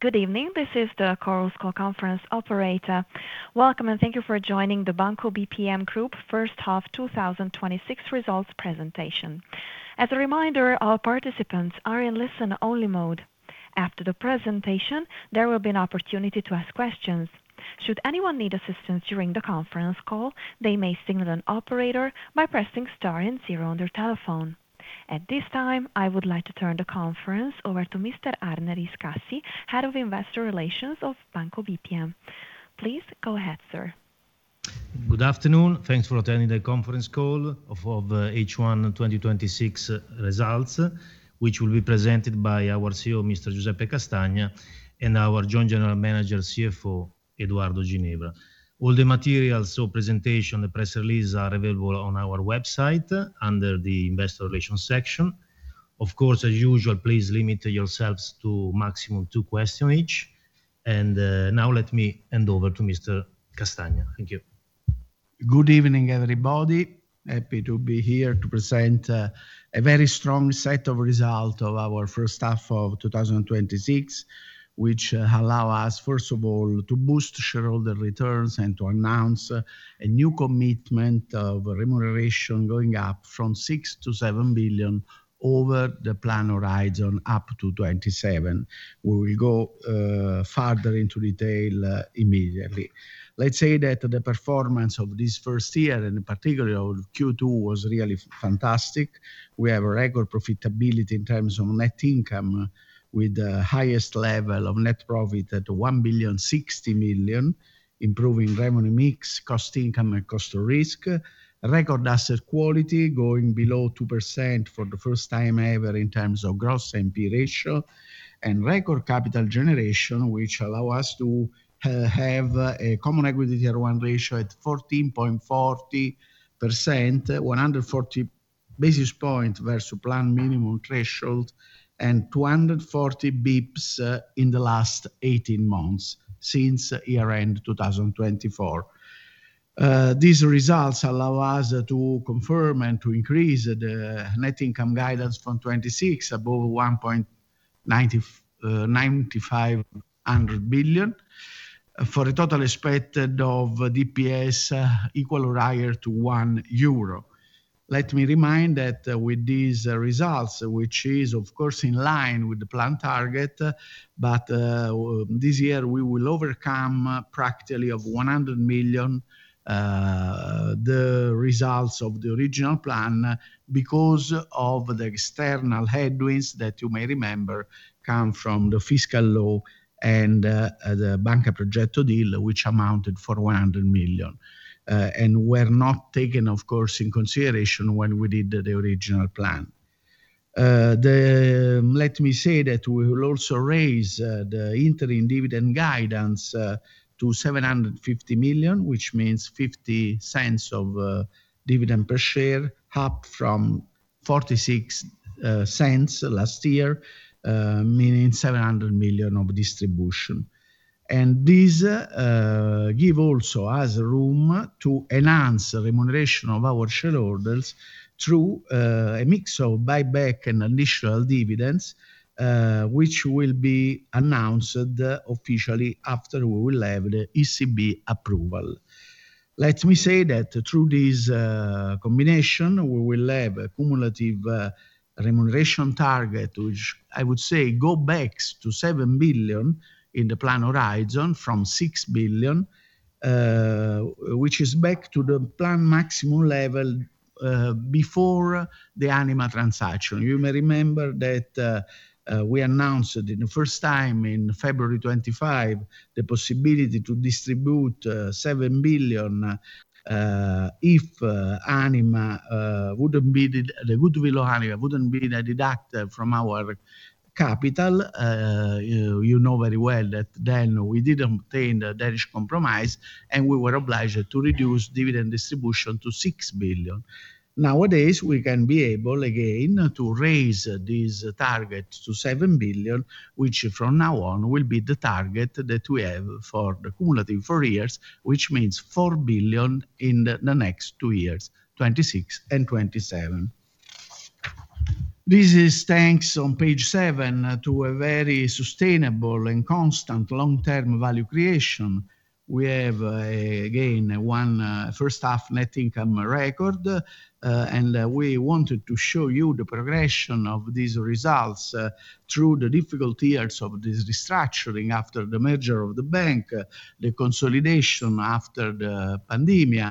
Good evening. This is the Chorus Call conference operator. Welcome, and thank you for joining the Banco BPM Group first half 2026 results presentation. As a reminder, all participants are in listen-only mode. After the presentation, there will be an opportunity to ask questions. Should anyone need assistance during the conference call, they may signal an operator by pressing star and zero on their telephone. At this time, I would like to turn the conference over to Mr. Arne Riscassi, head of investor relations of Banco BPM. Please go ahead, sir. Good afternoon. Thanks for attending the conference call of H1 2026 results, which will be presented by our CEO, Mr. Giuseppe Castagna, and our joint general manager, CFO, Edoardo Ginevra. All the materials, presentation, the press release, are available on our website under the investor relations section. Of course, as usual, please limit yourselves to maximum two questions each. Now let me hand over to Mr. Castagna. Thank you. Good evening, everybody. Happy to be here to present a very strong set of results of our first half of 2026, which allow us, first of all, to boost shareholder returns and to announce a new commitment of remuneration going up from six to seven billion over the plan horizon up to 2027. We will go further into detail immediately. Let's say that the performance of this first year, and in particular of Q2, was really fantastic. We have a record profitability in terms of net income with the highest level of net profit at 1,060 million, improving revenue mix, Cost Income, and Cost to Risk. Record asset quality going below 2% for the first time ever in terms of gross NP ratio, and record capital generation, which allow us to have a Common Equity Tier 1 ratio at 14.40%, 140 basis points versus planned minimum threshold, and 240 bips in the last 18 months since year-end 2024. These results allow us to confirm and to increase the net income guidance from 2026 above 9,500 million, for a total expected of DPS equal or higher to one euro. Let me remind that with these results, which is of course in line with the planned target, but this year we will overcome practically of 100 million, the results of the original plan because of the external headwinds that you may remember come from the fiscal law and the Banca Progetto deal, which amounted for 100 million, and were not taken, of course, in consideration when we did the original plan. Let me say that we will also raise the interim dividend guidance to 750 million, which means 0.50 of dividend per share, up from 0.46 last year, meaning 700 million of distribution. This give also us room to enhance remuneration of our shareholders through a mix of buyback and additional dividends, which will be announced officially after we will have the ECB approval. Let me say that through this combination, we will have a cumulative remuneration target, which I would say go backs to 7 billion in the plan horizon from 6 billion, which is back to the plan maximum level before the Anima transaction. You may remember that we announced in the first time in February 2025 the possibility to distribute 7 billion if the goodwill Anima wouldn't be deducted from our capital. You know very well that we didn't obtain the Danish Compromise, and we were obliged to reduce dividend distribution to 6 billion. Nowadays, we can be able again to raise this target to 7 billion, which from now on will be the target that we have for the cumulative four years, which means 4 billion in the next two years, 2026 and 2027. This is, thanks, on page 7, to a very sustainable and constant long-term value creation. We have, again, one first half net income record. We wanted to show you the progression of these results through the difficult years of this restructuring after the merger of the bank, the consolidation after the pandemia,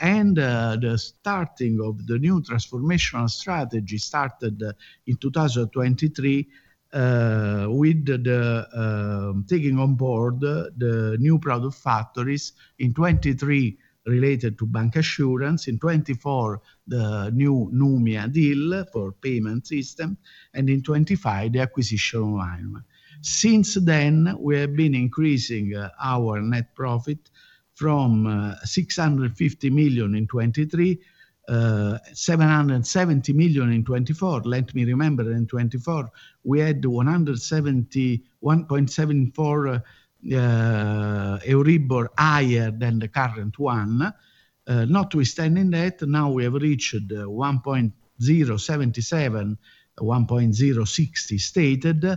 and the starting of the new transformational strategy started in 2023, with the taking on board the new product factories in 2023 related to bank insurance, in 2024, the new Numia deal for payment system, and in 2025, the acquisition of Anima. Since then, we have been increasing our net profit from 650 million in 2023, 770 million in 2024. Let me remember, in 2024, we had 1.74 Euribor higher than the current one. Not withstanding that, now we have reached 1.077, 1.060 stated,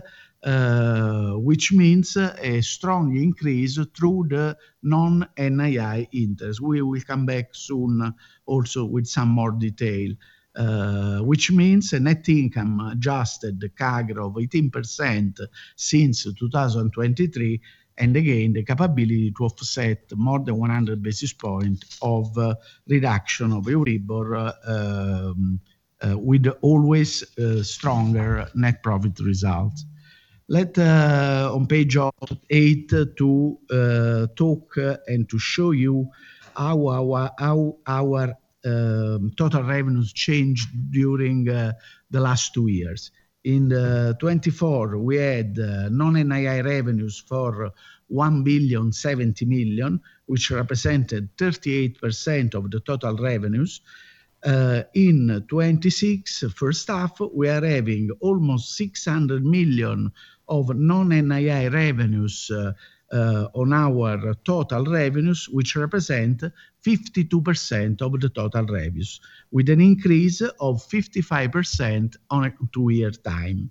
which means a strong increase through the non-NII interest. We will come back soon also with some more detail. Which means a net income adjusted CAGR of 18% since 2023, and again, the capability to offset more than 100 basis point of reduction of Euribor with always stronger net profit results. Let, on page 8, to talk and to show you how our total revenues changed during the last two years. In 2024, we had non-NII revenues for 1.07 billion, which represented 38% of the total revenues. In 2026, first half, we are having almost 600 million of non-NII revenues on our total revenues, which represent 52% of the total revenues, with an increase of 55% on a two-year time.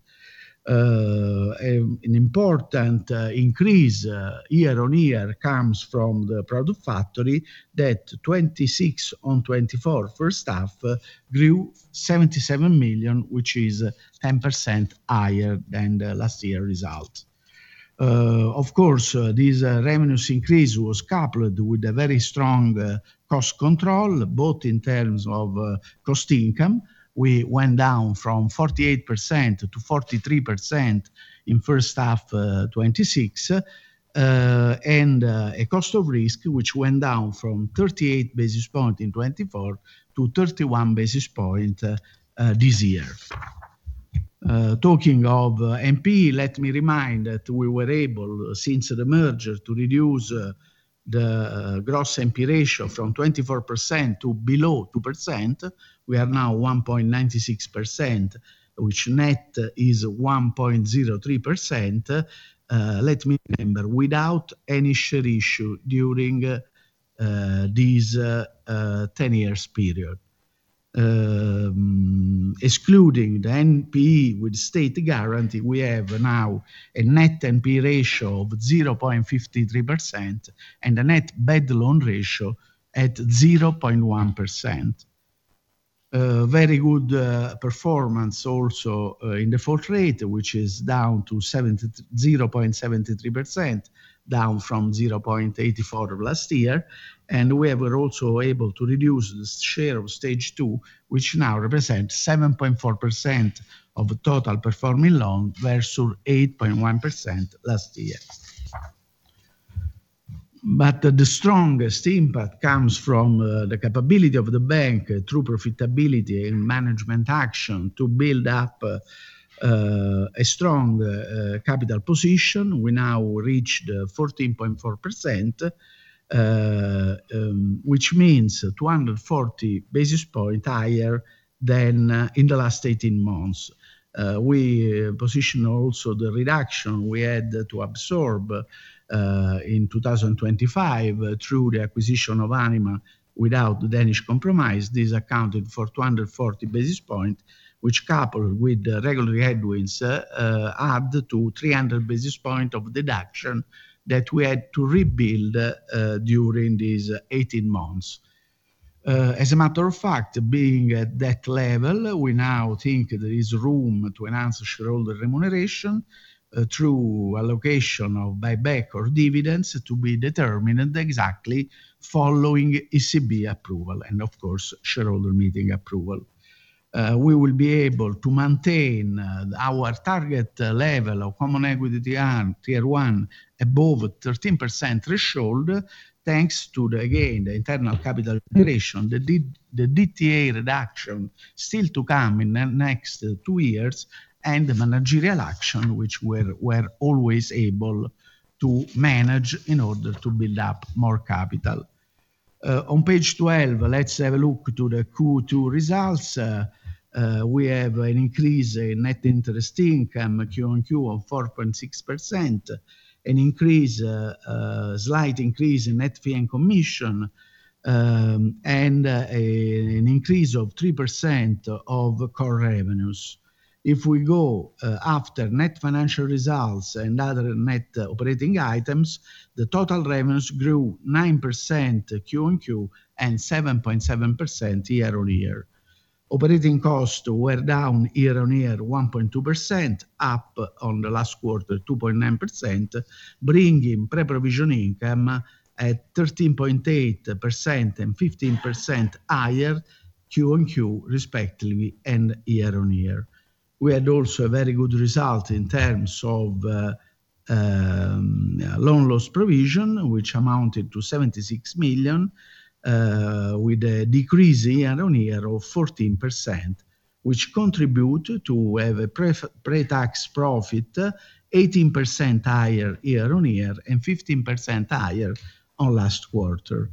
An important increase year on year comes from the product factory that 2026 on 2024 first half grew 77 million, which is 10% higher than the last year result. Of course, this revenues increase was coupled with a very strong Cost/Income control. We went down from 48% to 43% in first half 2026, and a Cost of Risk which went down from 38 basis points in 2024 to 31 basis points this year. Talking of NPE, let me remind that we were able, since the merger, to reduce the gross NPE ratio from 24% to below 2%. We are now 1.96%, which net is 1.03%. Let me remember, without any share issue during this 10 years period. Excluding the NPE with state guarantee, we have now a net NPE ratio of 0.53% and a net bad loan ratio at 0.1%. A very good performance also in default rate, which is down to 0.73%, down from 0.84 of last year. We were also able to reduce the share of stage 2, which now represents 7.4% of total performing loan versus 8.1% last year. The strongest impact comes from the capability of the bank through profitability and management action to build up a strong capital position. We now reached 14.4%, which means 240 basis points higher than in the last 18 months. We position also the reduction we had to absorb in 2025 through the acquisition of Anima without the Danish Compromise. This accounted for 240 basis points, which coupled with the regulatory headwinds, add to 300 basis points of deduction that we had to rebuild during these 18 months. As a matter of fact, being at that level, we now think there is room to enhance shareholder remuneration through allocation of buyback or dividends to be determined exactly following ECB approval and of course, shareholder meeting approval. We will be able to maintain our target level of common equity Tier 1 above 13% threshold, thanks to, again, the internal capital generation, the DTA reduction still to come in the next two years, and the managerial action, which we're always able to manage in order to build up more capital. On page 12, let's have a look to the Q2 results. We have an increase in Net Interest Income Q on Q of 4.6%, a slight increase in net fee and commission, an increase of 3% of core revenues. If we go after net financial results and other net operating items, the total revenues grew 9% Q on Q and 7.7% year-on-year. Operating costs were down year-on-year 1.2%, up on the last quarter 2.9%, bringing pre-provision income at 13.8% and 15% higher Q on Q respectively and year-on-year. We had also a very good result in terms of loan loss provision, which amounted to 76 million, with a decrease year-on-year of 14%, which contribute to have a pre-tax profit 18% higher year-on-year and 15% higher on last quarter.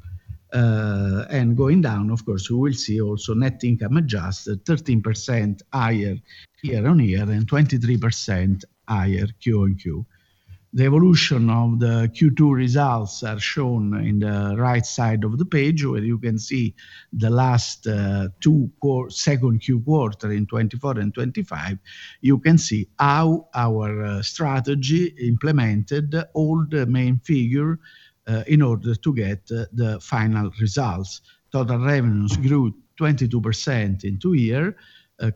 Going down, of course, we will see also net income adjusted 13% higher year-on-year and 23% higher Q on Q. The evolution of the Q2 results are shown in the right side of the page, where you can see the last two second Q quarter in 2024 and 2025. You can see how our strategy implemented all the main figure in order to get the final results. Total revenues grew 22% in two year.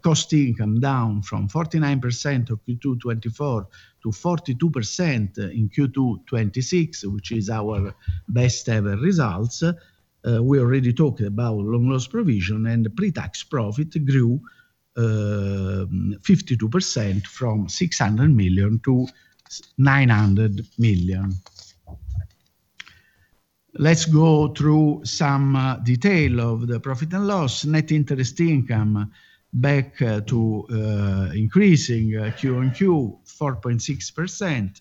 Cost/Income down from 49% of Q2 2024 to 42% in Q2 2026, which is our best ever results. We already talked about loan loss provision. Pre-tax profit grew 52% from 600 million to 900 million. Let's go through some detail of the profit and loss. Net interest income back to increasing quarter-on-quarter 4.6%,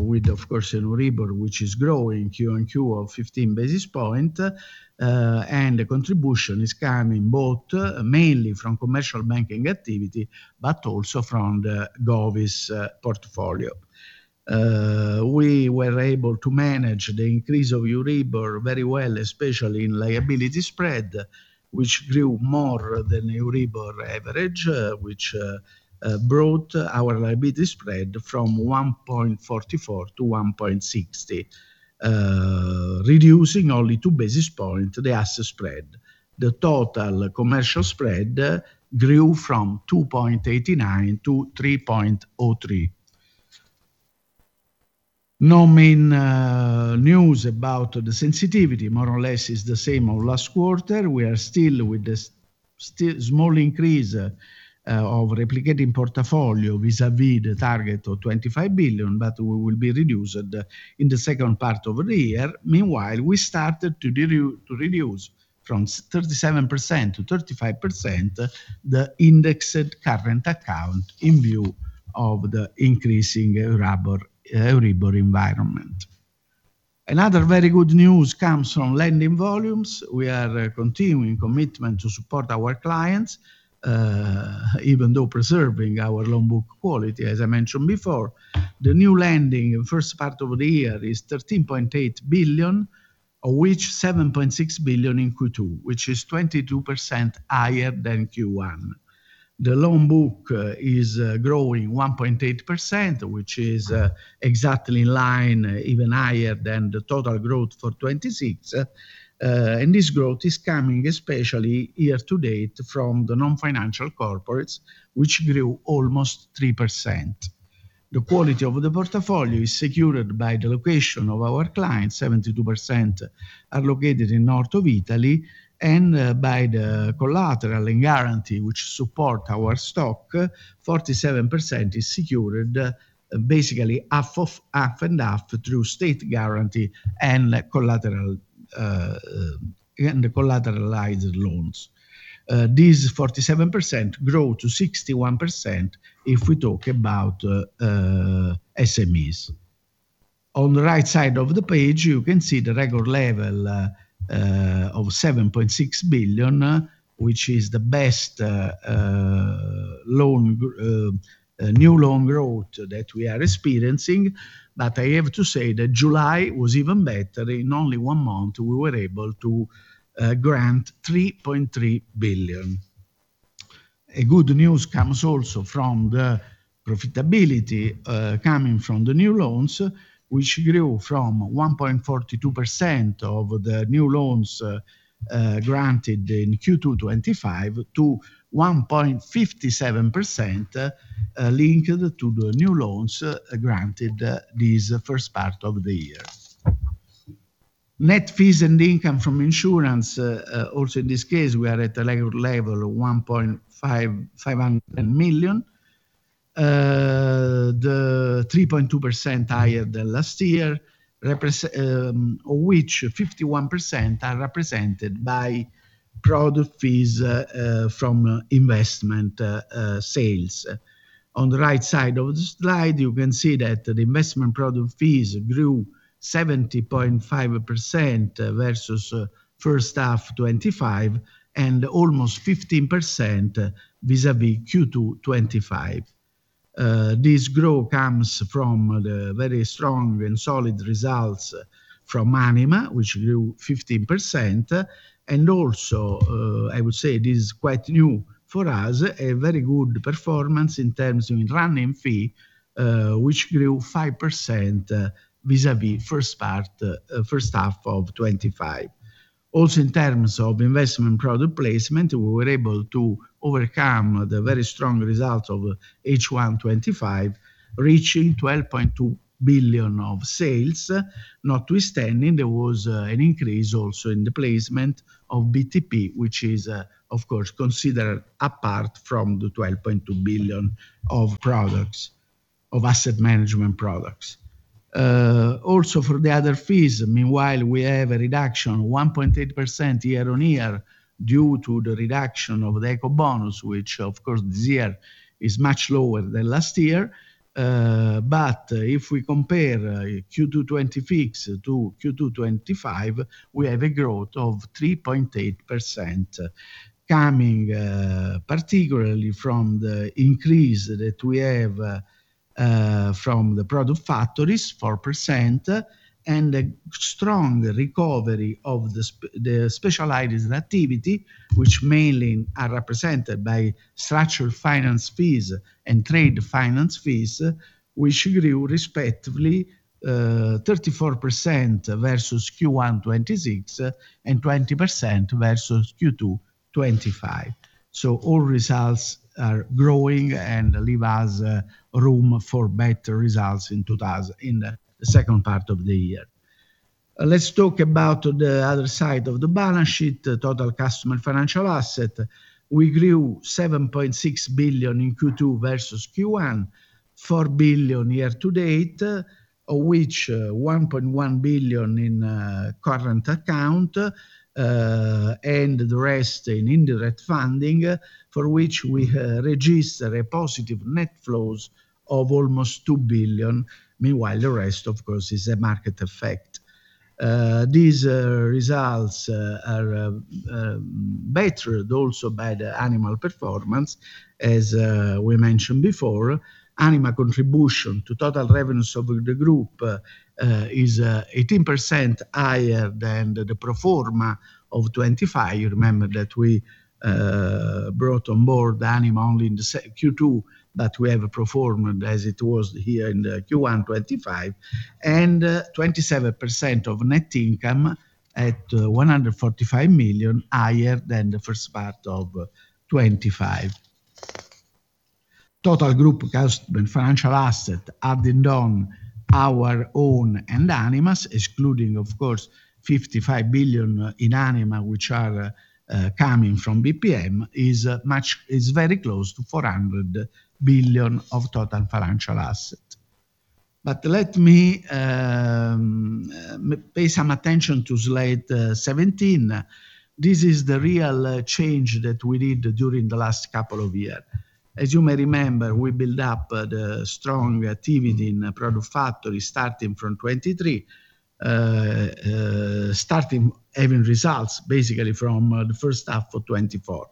with, of course, Euribor, which is growing quarter-on-quarter of 15 basis points. The contribution is coming both mainly from commercial banking activity, but also from the Govies portfolio. We were able to manage the increase of Euribor very well, especially in liability spread, which grew more than Euribor average, which brought our liability spread from 1.44 to 1.60, reducing only two basis points the asset spread. The total commercial spread grew from 2.89 to 3.03. No main news about the sensitivity. More or less is the same as last quarter. We are still with the small increase of replicating portfolio vis-à-vis the target of 25 billion. We will be reduced in the second part of the year. Meanwhile, we started to reduce from 37%-35% the indexed current account in view of the increasing Euribor environment. Another very good news comes from lending volumes. We are continuing commitment to support our clients, even though preserving our loan book quality, as I mentioned before. The new lending first part of the year is 13.8 billion, of which 7.6 billion in Q2, which is 22% higher than Q1. The loan book is growing 1.8%, which is exactly in line, even higher than the total growth for 2026. This growth is coming especially year to date from the non-financial corporates, which grew almost 3%. The quality of the portfolio is secured by the location of our clients. 72% are located in north of Italy, and by the collateral and guarantee which support our stock. 47% is secured, basically half and half through state guarantee and collateralized loans. This 47% grew to 61% if we talk about SMEs. On the right side of the page, you can see the record level of 7.6 billion, which is the best new loan growth that we are experiencing. I have to say that July was even better. In only one month, we were able to grant 3.3 billion. A good news comes also from the profitability coming from the new loans, which grew from 1.42% of the new loans granted in Q2 2025 to 1.57% linked to the new loans granted this first part of the year. Net fees and income from insurance, also in this case, we are at a record level of 500 million, 3.2% higher than last year, of which 51% are represented by product fees from investment sales. On the right side of the slide, you can see that the investment product fees grew 70.5% versus first half 2025 and almost 15% vis-à-vis Q2 2025. This growth comes from the very strong and solid results from Anima, which grew 15%, and also, I would say this is quite new for us, a very good performance in terms of running fee, which grew 5% vis-à-vis first half of 2025. Also, in terms of investment product placement, we were able to overcome the very strong results of H1 2025, reaching 12.2 billion of sales. Notwithstanding, there was an increase also in the placement of BTP, which is of course considered apart from the 12.2 billion of asset management products. For the other fees, meanwhile, we have a reduction of 1.8% year-on-year due to the reduction of the eco bonus, which of course this year is much lower than last year. If we compare Q2 2020 to Q2 2025, we have a growth of 3.8%, coming particularly from the increase that we have from the product factories, 4%, and a strong recovery of the specialized activity, which mainly are represented by structural finance fees and trade finance fees, which grew respectively 34% versus Q1 2026 and 20% versus Q2 2025. All results are growing and leave us room for better results in the second part of the year. Let's talk about the other side of the balance sheet, the Total Financial Assets. We grew 7.6 billion in Q2 versus Q1, 4 billion year-to-date, of which 1.1 billion in current account, and the rest in indirect funding, for which we register a positive net flows of almost 2 billion. Meanwhile, the rest, of course, is a market effect. These results are bettered also by the Anima performance. As we mentioned before, Anima contribution to total revenues of the group is 18% higher than the pro forma of 2025. You remember that we brought on board Anima only in the Q2, but we have a pro forma as it was here in the Q1 2025, and 27% of net income at 145 million higher than the first part of 2025. Total group customer Total Financial Assets adding on our own and Anima's, excluding, of course, 55 billion in Anima, which are coming from Banco BPM, is very close to 400 billion of Total Financial Assets. Let me pay some attention to Slide 17. This is the real change that we did during the last couple of years. As you may remember, we built up the strong activity in product factory starting from 2023, starting having results basically from the first half of 2024.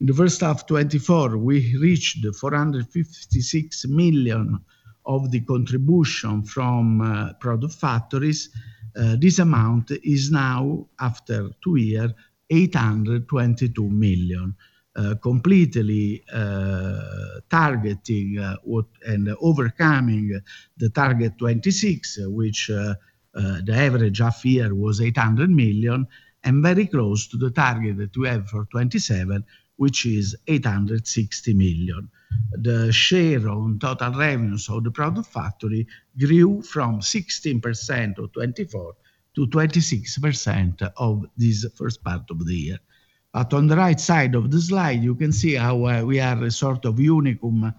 In the first half of 2024, we reached 456 million of the contribution from product factories. This amount is now, after two years, 822 million, completely targeting and overcoming the target 2026, which the average half year was 800 million, and very close to the target that we have for 2027, which is 860 million. The share on total revenues of the product factory grew from 16% of 2024 to 26% of this first part of the year. On the right side of the slide, you can see how we are a sort of unicum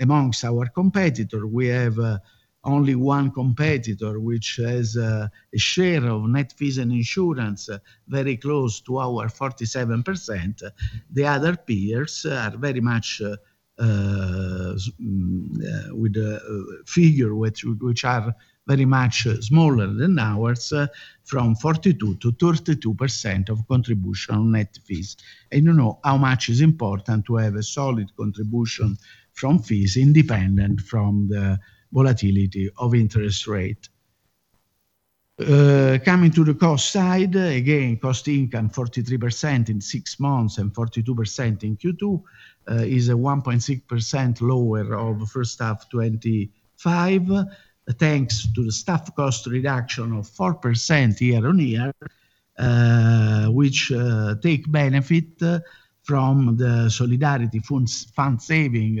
amongst our competitors. We have only one competitor which has a share of net fees and insurance very close to our 47%. The other peers are very much with a figure which are very much smaller than ours, from 42% to 32% of contribution on net fees. You know how much is important to have a solid contribution from fees independent from the volatility of interest rates. Coming to the cost side, again, cost income 43% in six months and 42% in Q2, is 1.6% lower of first half 2025, thanks to the staff cost reduction of 4% year-on-year, which take benefit from the solidarity fund saving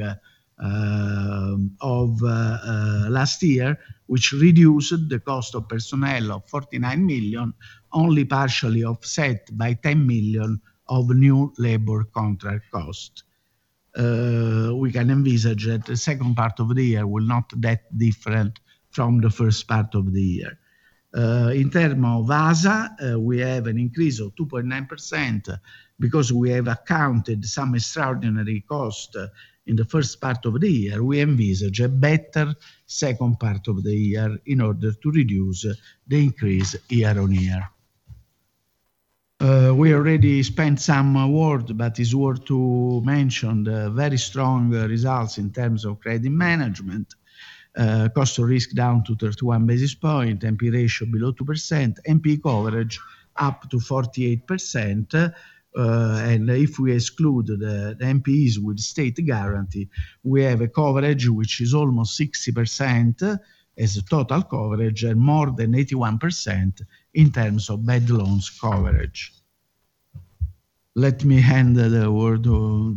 of last year, which reduced the cost of personnel of 49 million, only partially offset by 10 million of new labor contract cost. We can envisage that the second part of the year will not that different from the first part of the year. In term of TFA, we have an increase of 2.9%, because we have accounted some extraordinary cost in the first part of the year. We envisage a better second part of the year in order to reduce the increase year-on-year. We already spent some word, but it's worth to mention the very strong results in terms of credit management. Cost of risk down to 31 basis points, NP ratio below 2%, NP coverage up to 48%. If we exclude the NPs with state guarantee, we have a coverage which is almost 60% as total coverage and more than 81% in terms of bad loans coverage. Let me hand the word to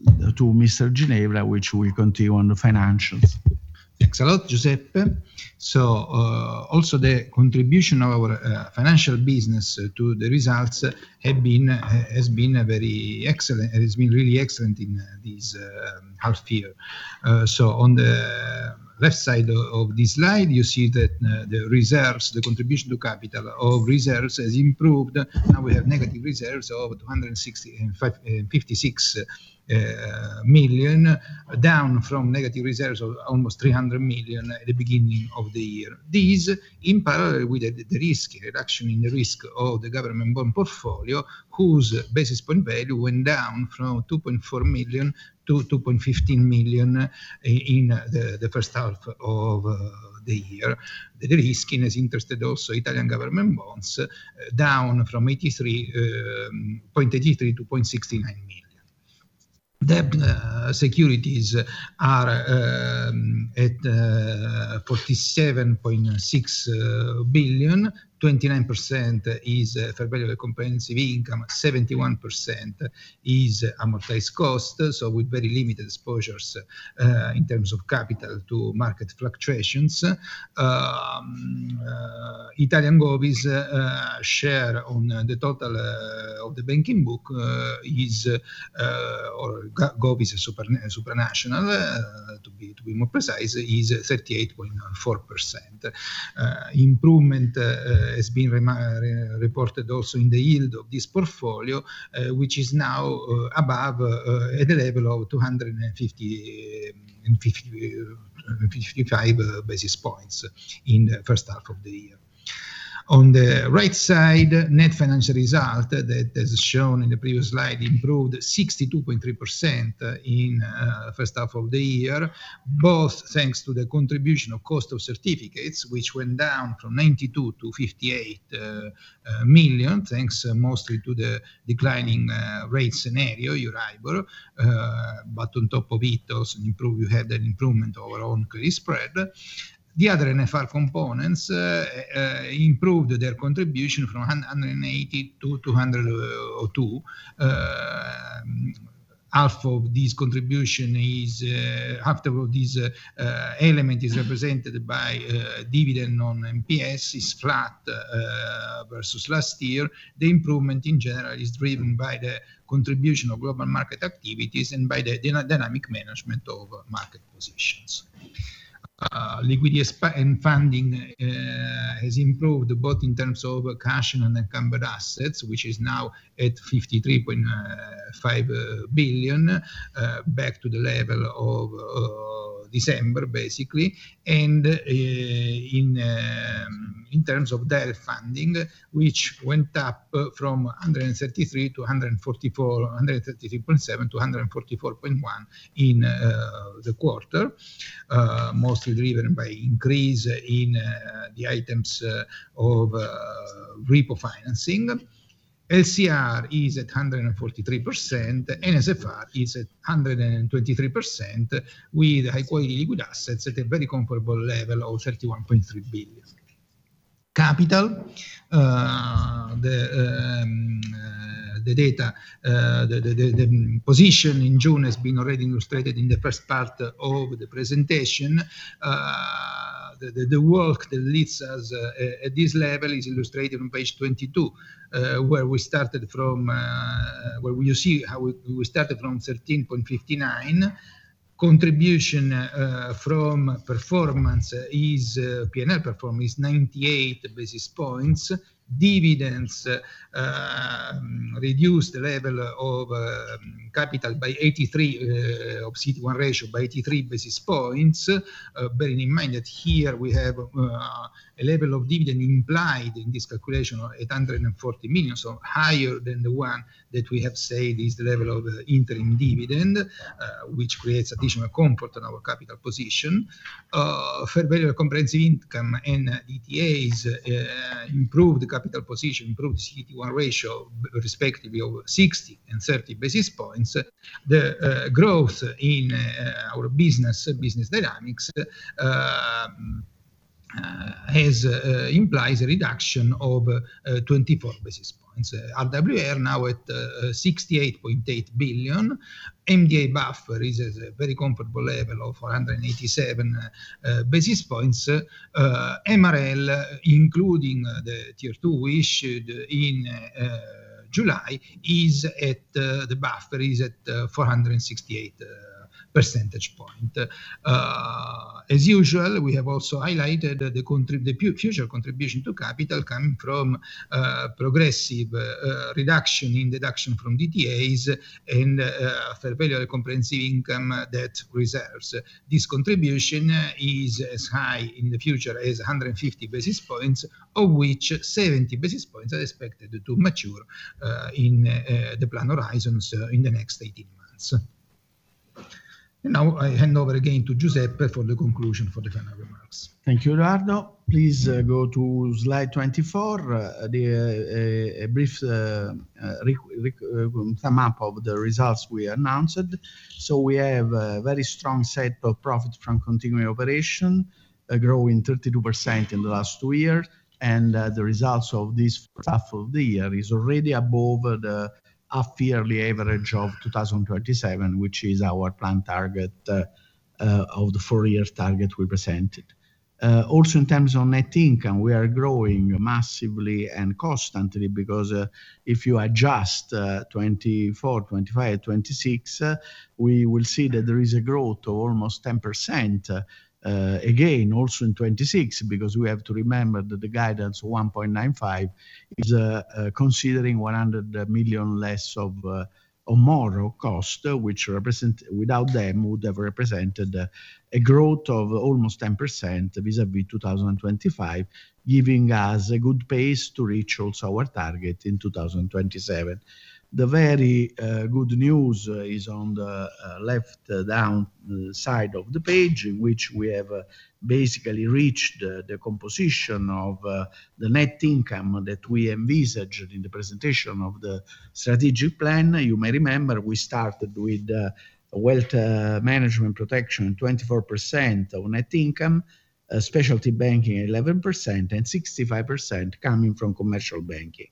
Mr. Ginevra, which will continue on the financials. Thanks a lot, Giuseppe. Also, the contribution of our financial business to the results has been really excellent in this half year. On the left side of this slide, you see that the reserves, the contribution to capital of reserves has improved. Now we have negative reserves of 256 million, down from negative reserves of almost 300 million at the beginning of the year. This in parallel with the risk reduction in the risk of the government bond portfolio, whose basis point value went down from 2.4 million to 2.15 million in the first half of the year. The de-risking has interested also Italian government bonds down from 0.83 million to 0.69 million. Debt securities are at 47.6 billion. 29% is fair value of comprehensive income, 71% is amortized cost, so with very limited exposures in terms of capital to market fluctuations. Italian govies share on the total of the banking book, or govies supranational, to be more precise, is 38.4%. Improvement has been reported also in the yield of this portfolio, which is now above at the level of 250 and 55 basis points in the first half of the year. On the right side, net financial result that has shown in the previous slide improved 62.3% in first half of the year, both thanks to the contribution of cost of certificates, which went down from 92 million to 58 million, thanks mostly to the declining rate scenario, Euribor. On top of it also you had an improvement over on credit spread. The other NFR components improved their contribution from 180 million to 202 million. Half of this element is represented by dividend on NPEs is flat versus last year. The improvement in general is driven by the contribution of global market activities and by the dynamic management of market positions. Liquidity and funding has improved both in terms of cash and unencumbered assets, which is now at 53.5 billion, back to the level of December, basically. In terms of debt funding, which went up from 133.7 to 144.1 in the quarter, mostly driven by increase in the items of repo financing. SCR is at 143%, NSFR is at 123%, with high quality liquid assets at a very comparable level of 31.3 billion. Capital. The position in June has been already illustrated in the first part of the presentation. The work that leads us at this level is illustrated on page 22, where you see how we started from 13.59%. Contribution from P&L performance is 98 basis points. Dividends reduced level of capital by 83 of CET1 ratio by 83 basis points. Bearing in mind that here we have a level of dividend implied in this calculation at 140 million, so higher than the one that we have said is the level of interim dividend, which creates additional comfort in our capital position. Fair Value of comprehensive income and DTAs improved capital position, improved CET1 ratio respectively over 60 and 30 basis points. The growth in our business dynamics implies a reduction of 24 basis points. RWA are now at 68.8 billion. MDA buffer is at a very comfortable level of 187 basis points. MREL, including the Tier 2 we issued in July, the buffer is at 468 percentage points. As usual, we have also highlighted the future contribution to capital coming from progressive reduction in deduction from DTAs and Fair Value of comprehensive income, debt reserves. This contribution is as high in the future as 150 basis points, of which 70 basis points are expected to mature in the planned horizons in the next 18 months. I hand over again to Giuseppe for the conclusion for the final remarks. Thank you, Edoardo. Please go to Slide 24, a brief sum up of the results we announced. We have a very strong set of profit from continuing operation, growing 32% in the last two years, and the results of this first half of the year is already above the half yearly average of 2027, which is our planned target of the four-year target we presented. Also, in terms of net income, we are growing massively and constantly because if you adjust 2024, 2025, 2026, we will see that there is a growth of almost 10%, again, also in 2026, because we have to remember that the guidance 1.95 is considering 100 million less of moral cost, which without them, would have represented a growth of almost 10% vis-à-vis 2025, giving us a good pace to reach also our target in 2027. The very good news is on the left downside of the page, in which we have basically reached the composition of the net income that we envisaged in the presentation of the strategic plan. You may remember we started with wealth management protection, 24% of net income, specialty banking 11%, and 65% coming from commercial banking.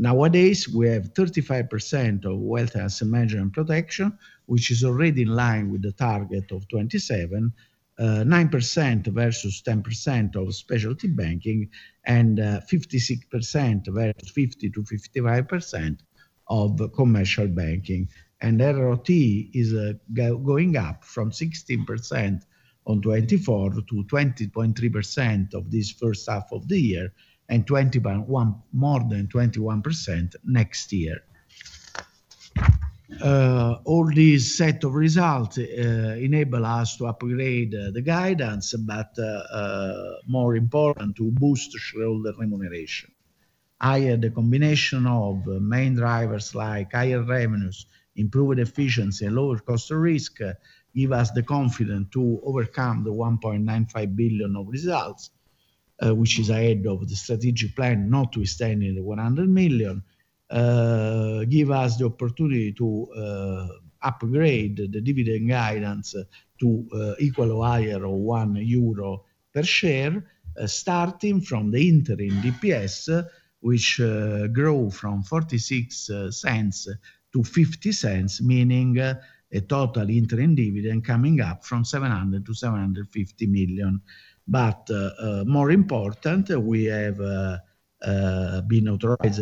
Nowadays, we have 35% of wealth asset management protection, which is already in line with the target of 27%, 9% versus 10% of specialty banking, and 56% versus 50% to 55% of commercial banking. ROTE is going up from 16% on 2024 to 20.3% of this first half of the year, and more than 21% next year. All these set of results enable us to upgrade the guidance, but more important, to boost shareholder remuneration. Higher the combination of main drivers like higher revenues, improved efficiency, and lower Cost of Risk, give us the confidence to overcome the 1.95 billion of results, which is ahead of the strategic plan not to extend the 100 million, give us the opportunity to upgrade the dividend guidance to equal or higher or 1 euro per share, starting from the interim DPS, which grow from 0.46 to 0.50, meaning a total interim dividend coming up from 700 million to 750 million. More important, we have been authorized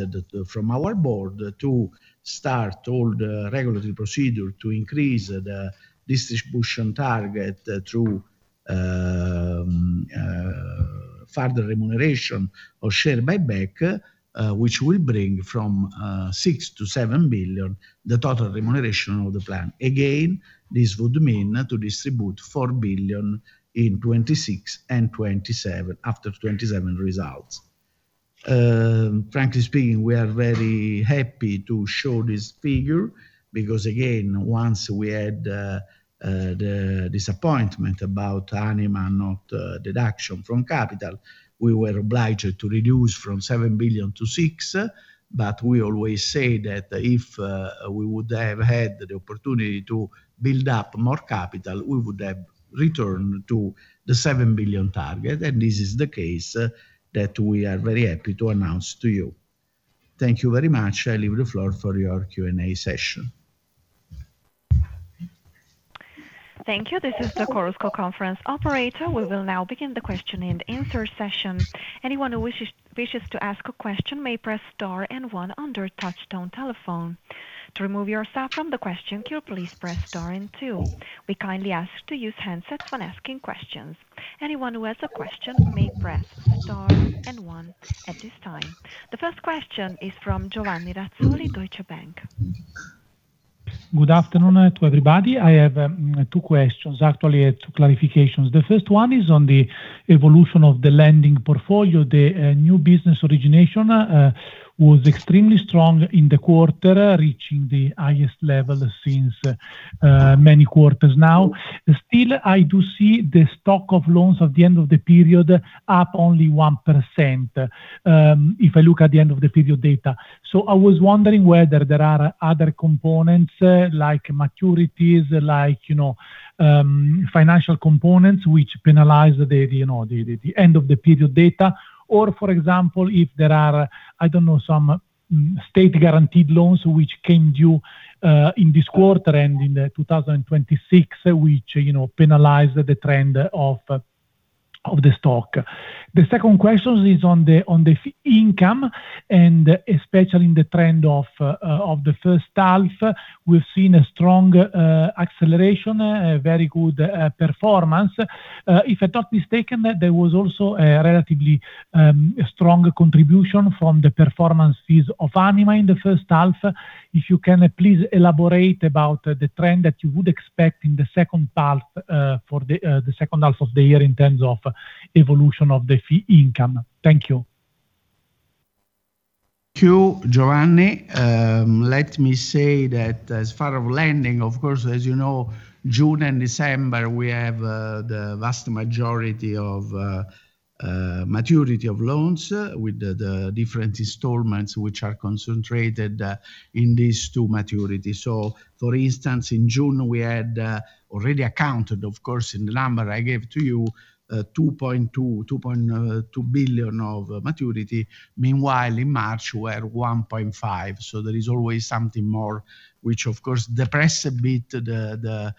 from our board to start all the regulatory procedure to increase the distribution target through further remuneration of share buyback, which will bring from 6 billion to 7 billion, the total remuneration of the plan. Again, this would mean to distribute 4 billion in 2026 and 2027, after 2027 results. Frankly speaking, we are very happy to show this figure because, again, once we had the disappointment about Anima Holding not deduction from capital, we were obliged to reduce from 7 billion to 6 billion. We always say that if we would have had the opportunity to build up more capital, we would have returned to the 7 billion target. This is the case that we are very happy to announce to you. Thank you very much. I leave the floor for your Q&A session. Thank you. This is the Chorus Call conference operator. We will now begin the question-and-answer session. Anyone who wishes to ask a question may press star and one on their touchtone telephone. To remove yourself from the question queue, please press star and two. We kindly ask to use handsets when asking questions. Anyone who has a question may press star and one at this time. The first question is from Giovanni Razzoli, Deutsche Bank. Good afternoon to everybody. I have two questions, actually, two clarifications. The first one is on the evolution of the lending portfolio. The new business origination was extremely strong in the quarter, reaching the highest level since many quarters now. Still, I do see the stock of loans at the end of the period up only 1%, if I look at the end of the period data. I was wondering whether there are other components, like maturities, like financial components, which penalize the end of the period data? For example, if there are, I don't know, some state-guaranteed loans which came due in this quarter and in 2026, which penalize the trend of the stock. The second question is on the income, and especially in the trend of the first half, we've seen a strong acceleration, a very good performance. If I'm not mistaken, there was also a relatively strong contribution from the performance fees of Anima in the first half. If you can please elaborate about the trend that you would expect in the second half of the year in terms of evolution of the fee income. Thank you. Thank you, Giovanni. Let me say that as far as lending, of course, as you know, June and December, we have the vast majority of maturity of loans with the different installments, which are concentrated in these two maturities. For instance, in June, we had already accounted, of course, in the number I gave to you, 2.2 billion of maturity. Meanwhile, in March, we are 1.5 billion, there is always something more, which of course depresses a bit the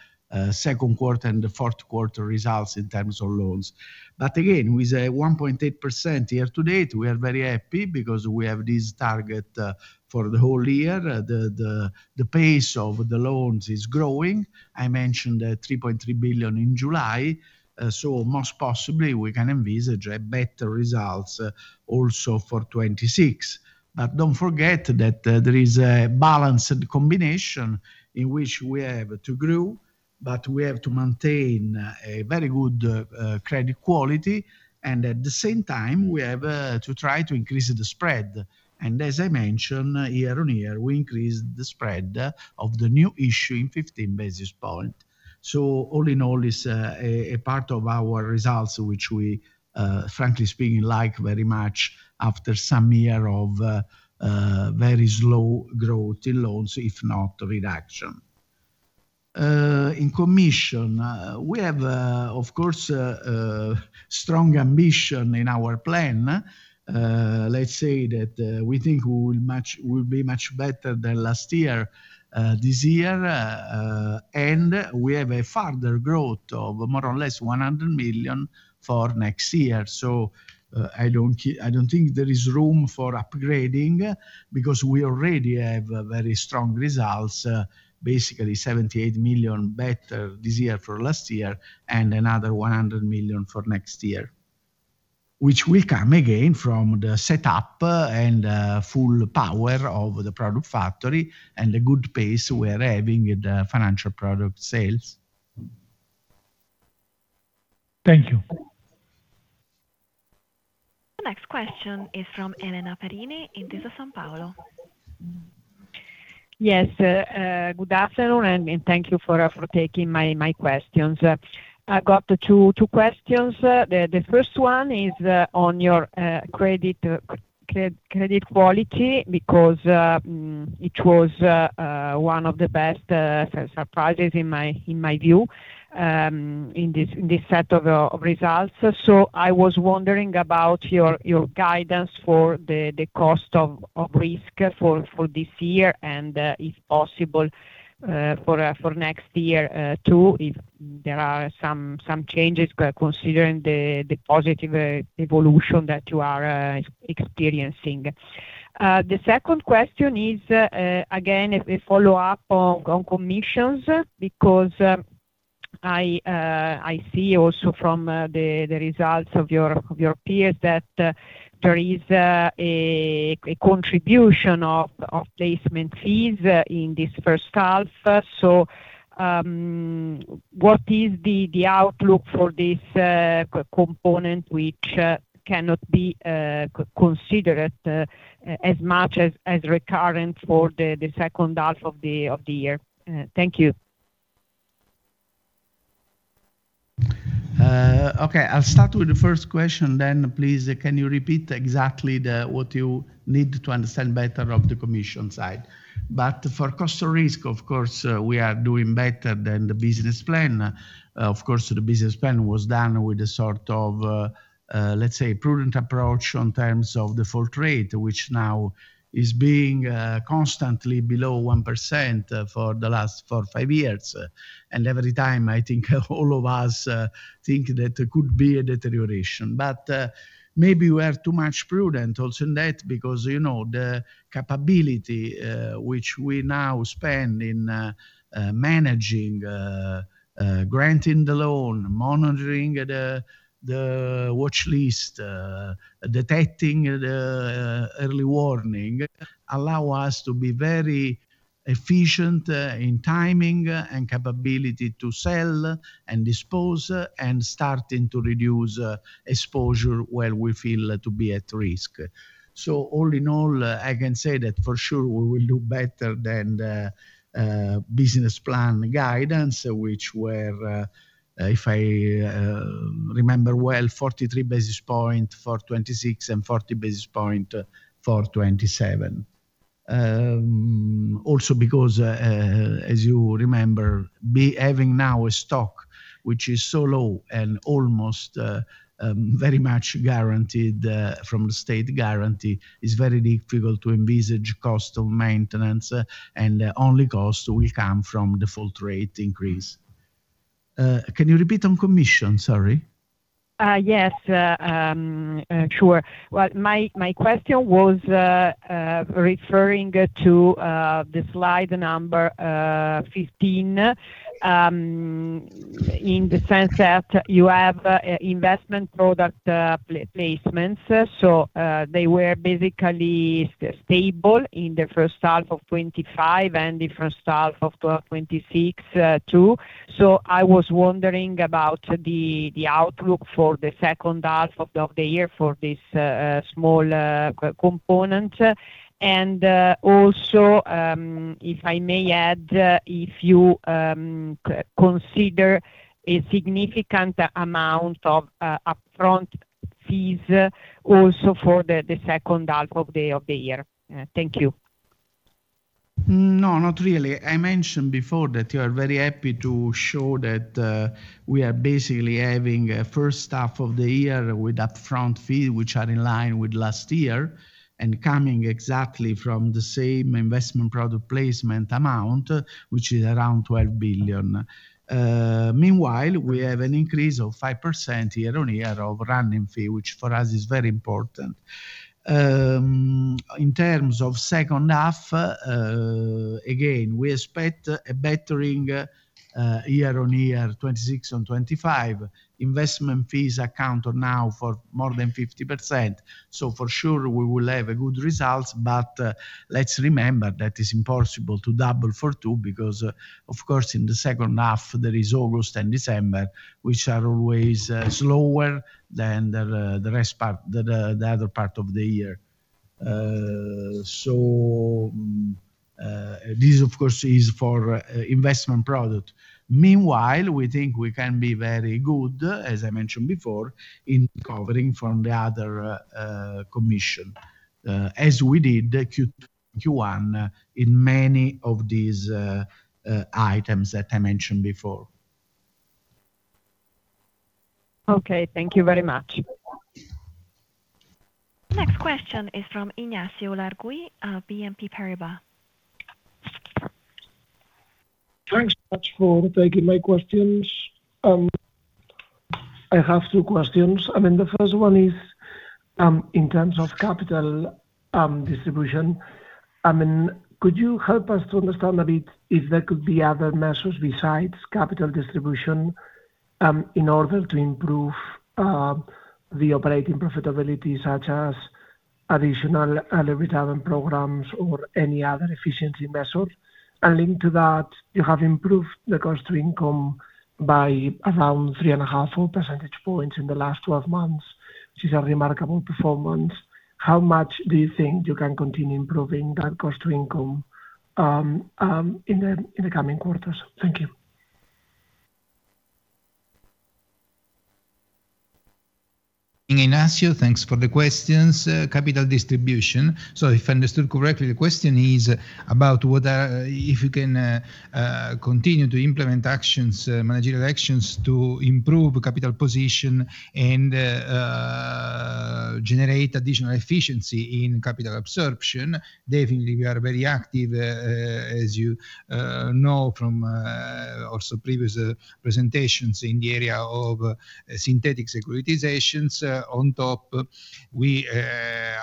second quarter and the fourth quarter results in terms of loans. Again, with a 1.8% year-to-date, we are very happy because we have this target for the whole year. The pace of the loans is growing. I mentioned 3.3 billion in July, most possibly we can envisage better results also for 2026. Don't forget that there is a balanced combination in which we have to grow, but we have to maintain a very good credit quality, and at the same time, we have to try to increase the spread. As I mentioned, year-on-year, we increased the spread of the new issue in 15 basis points. All in all, it's a part of our results, which we, frankly speaking, like very much after some year of very slow growth in loans, if not reduction. In commission, we have, of course, strong ambition in our plan. Let's say that we think we'll be much better than last year, this year. We have a further growth of more or less 100 million for next year. I don't think there is room for upgrading, because we already have very strong results. Basically 78 million better this year from last year. Another 100 million for next year, which will come again from the setup and full power of the product factory and the good pace we are having at the financial product sales. Thank you. The next question is from Elena Perini, Intesa Sanpaolo. Yes. Good afternoon. Thank you for taking my questions. I got two questions. The first one is on your credit quality, because it was one of the best surprises in my view, in this set of results. I was wondering about your guidance for the Cost of Risk for this year and if possible, for next year too, if there are some changes considering the positive evolution that you are experiencing. The second question is, again, a follow-up on commissions, because I see also from the results of your peers that there is a contribution of placement fees in this first half. What is the outlook for this component, which cannot be considered as much as recurring for the second half of the year? Thank you. I'll start with the first question. Please can you repeat exactly what you need to understand better of the commission side? For Cost of Risk, of course, we are doing better than the business plan. Of course, the business plan was done with a sort of, let's say, prudent approach in terms of default rate, which now is being constantly below 1% for the last four, five years. Every time, I think all of us think that there could be a deterioration. Maybe we are too much prudent also in that, because the capability which we now spend in managing granting the loan, monitoring the watchlist, detecting the early warning, allow us to be very efficient in timing and capability to sell and dispose, and starting to reduce exposure where we feel to be at risk. All in all, I can say that for sure we will do better than the business plan guidance, which were, if I remember well, 43 basis points for 2026 and 40 basis points for 2027. Also, because, as you remember, having now a stock which is so low and almost very much guaranteed from the state guarantee, is very difficult to envisage cost of maintenance, and only cost will come from default rate increase. Can you repeat on commission? Sorry. Yes. Sure. Well, my question was referring to the Slide 15, in the sense that you have investment product placements. They were basically stable in the first half of 2025 and the first half of 2026, too. I was wondering about the outlook for the second half of the year for this small component. Also, if I may add, if you consider a significant amount of upfront fees also for the second half of the year. Thank you. No, not really. I mentioned before that we are very happy to show that we are basically having a first half of the year with upfront fee, which are in line with last year, and coming exactly from the same investment product placement amount, which is around 12 billion. Meanwhile, we have an increase of 5% year-on-year of running fee, which for us is very important. In terms of second half, again, we expect a bettering year-on-year 2026 on 2025. Investment fees account now for more than 50%. For sure, we will have good results. Let's remember that it is impossible to double for two because, of course, in the second half, there is August and December, which are always slower than the other part of the year. This, of course, is for investment product. We think we can be very good, as I mentioned before, in recovering from the other commission, as we did Q1 in many of these items that I mentioned before. Thank you very much. Next question is from Ignacio Ulargui of BNP Paribas. Thanks so much for taking my questions. I have two questions. The first one is, in terms of capital distribution, could you help us to understand a bit if there could be other measures besides capital distribution in order to improve the operating profitability, such as additional early retirement programs or any other efficiency measures? Linked to that, you have improved the cost-to-income by around three and a half whole percentage points in the last 12 months, which is a remarkable performance. How much do you think you can continue improving that cost-to-income in the coming quarters? Thank you. Ignacio, thanks for the questions. Capital distribution. If I understood correctly, the question is about if we can continue to implement managerial actions to improve capital position and generate additional efficiency in capital absorption. Definitely, we are very active, as you know from also previous presentations in the area of synthetic securitizations. On top, we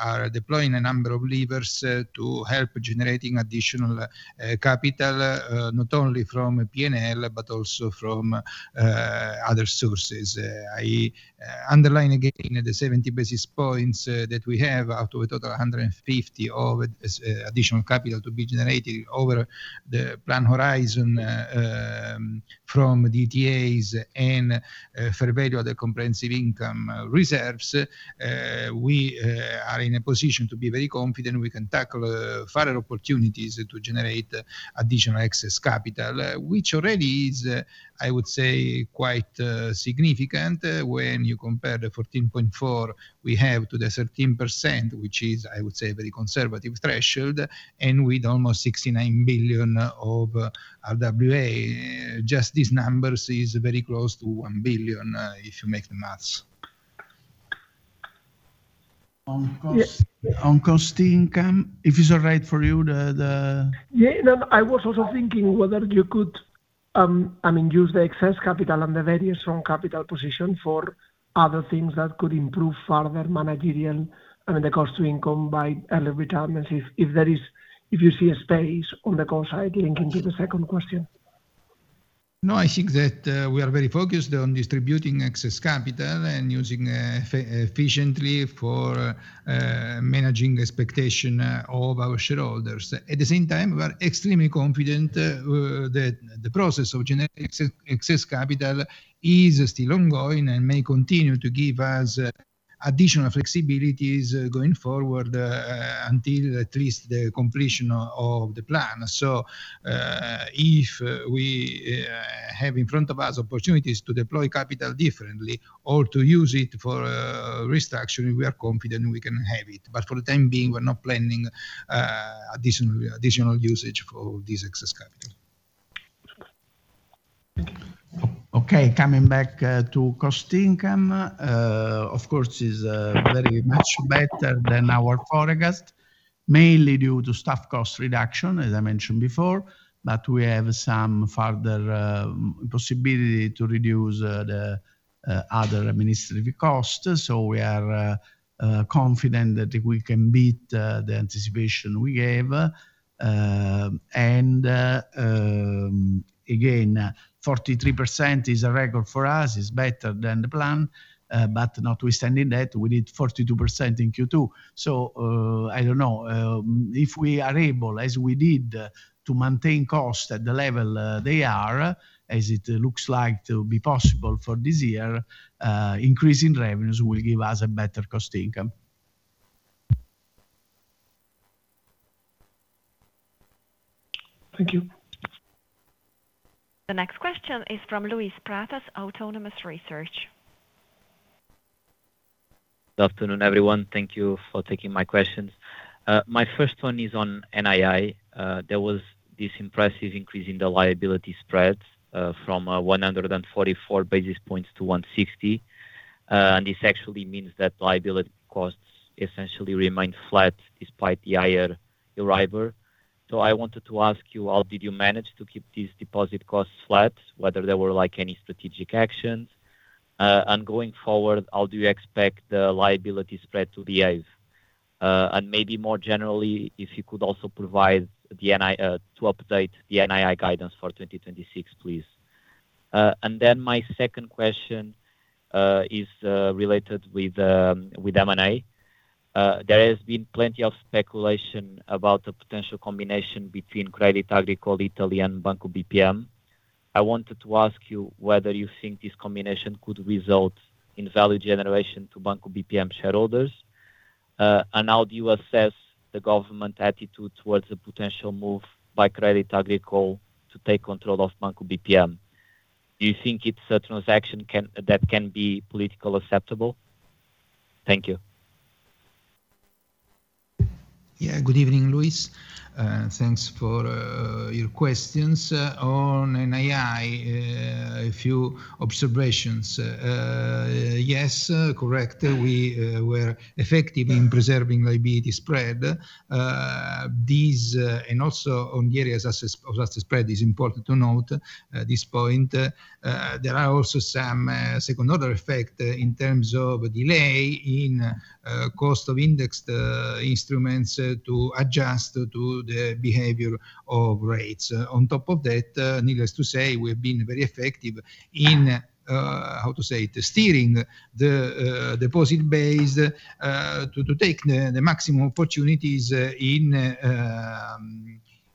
are deploying a number of levers to help generating additional capital, not only from P&L but also from other sources. I underline again the 70 basis points that we have out of a total 150 of additional capital to be generated over the plan horizon from DTAs and fair value other comprehensive income reserves. We are in a position to be very confident we can tackle further opportunities to generate additional excess capital, which already is, I would say, quite significant when you compare the 14.4, we have to the 13%, which is, I would say, a very conservative threshold, and with almost 69 billion of RWA. Just these numbers is very close to 1 billion, if you make the math. On cost-to-income, if it's all right for you. Yeah, no, I was also thinking whether you could use the excess capital and the very strong capital position for other things that could improve further managerial and the cost-to-income by early retirements, if you see a space on the cost side linking to the second question. No, I think that we are very focused on distributing excess capital and using efficiently for managing expectation of our shareholders. At the same time, we are extremely confident that the process of excess capital is still ongoing and may continue to give us additional flexibilities going forward, until at least the completion of the plan. If we have in front of us opportunities to deploy capital differently or to use it for risk reduction, we are confident we can have it. For the time being, we're not planning additional usage for this excess capital. Okay, coming back to cost-to-income. Of course, it is very much better than our forecast, mainly due to staff cost reduction, as I mentioned before. We have some further possibility to reduce the other administrative costs. We are confident that we can beat the anticipation we gave. Again, 43% is a record for us, it's better than the plan. Notwithstanding that, we did 42% in Q2. I don't know, if we are able, as we did, to maintain costs at the level they are, as it looks like to be possible for this year, increase in revenues will give us a better cost income. Thank you. The next question is from Luis Pratas, Autonomous Research. Good afternoon, everyone. Thank you for taking my questions. My first one is on NII. There was this impressive increase in the liability spread, from 144 basis points to 160. This actually means that liability costs essentially remain flat despite the higher Euribor. I wanted to ask you, how did you manage to keep these deposit costs flat, whether there were any strategic actions? Going forward, how do you expect the liability spread to behave? Maybe more generally, if you could also provide to update the NII guidance for 2026, please. Then my second question is related with M&A. There has been plenty of speculation about the potential combination between Crédit Agricole, Italian Banco BPM. I wanted to ask you whether you think this combination could result in value generation to Banco BPM shareholders. How do you assess the government attitude towards the potential move by Crédit Agricole to take control of Banco BPM? Do you think it's a transaction that can be politically acceptable? Thank you. Good evening, Luis. Thanks for your questions. On NII, a few observations. Yes, correct. We were effective in preserving liability spread. These, and also on the areas of asset spread, is important to note this point. There are also some second order effect in terms of delay in cost of indexed instruments to adjust to the behavior of rates. On top of that, needless to say, we've been very effective in, how to say it, steering the deposit base, to take the maximum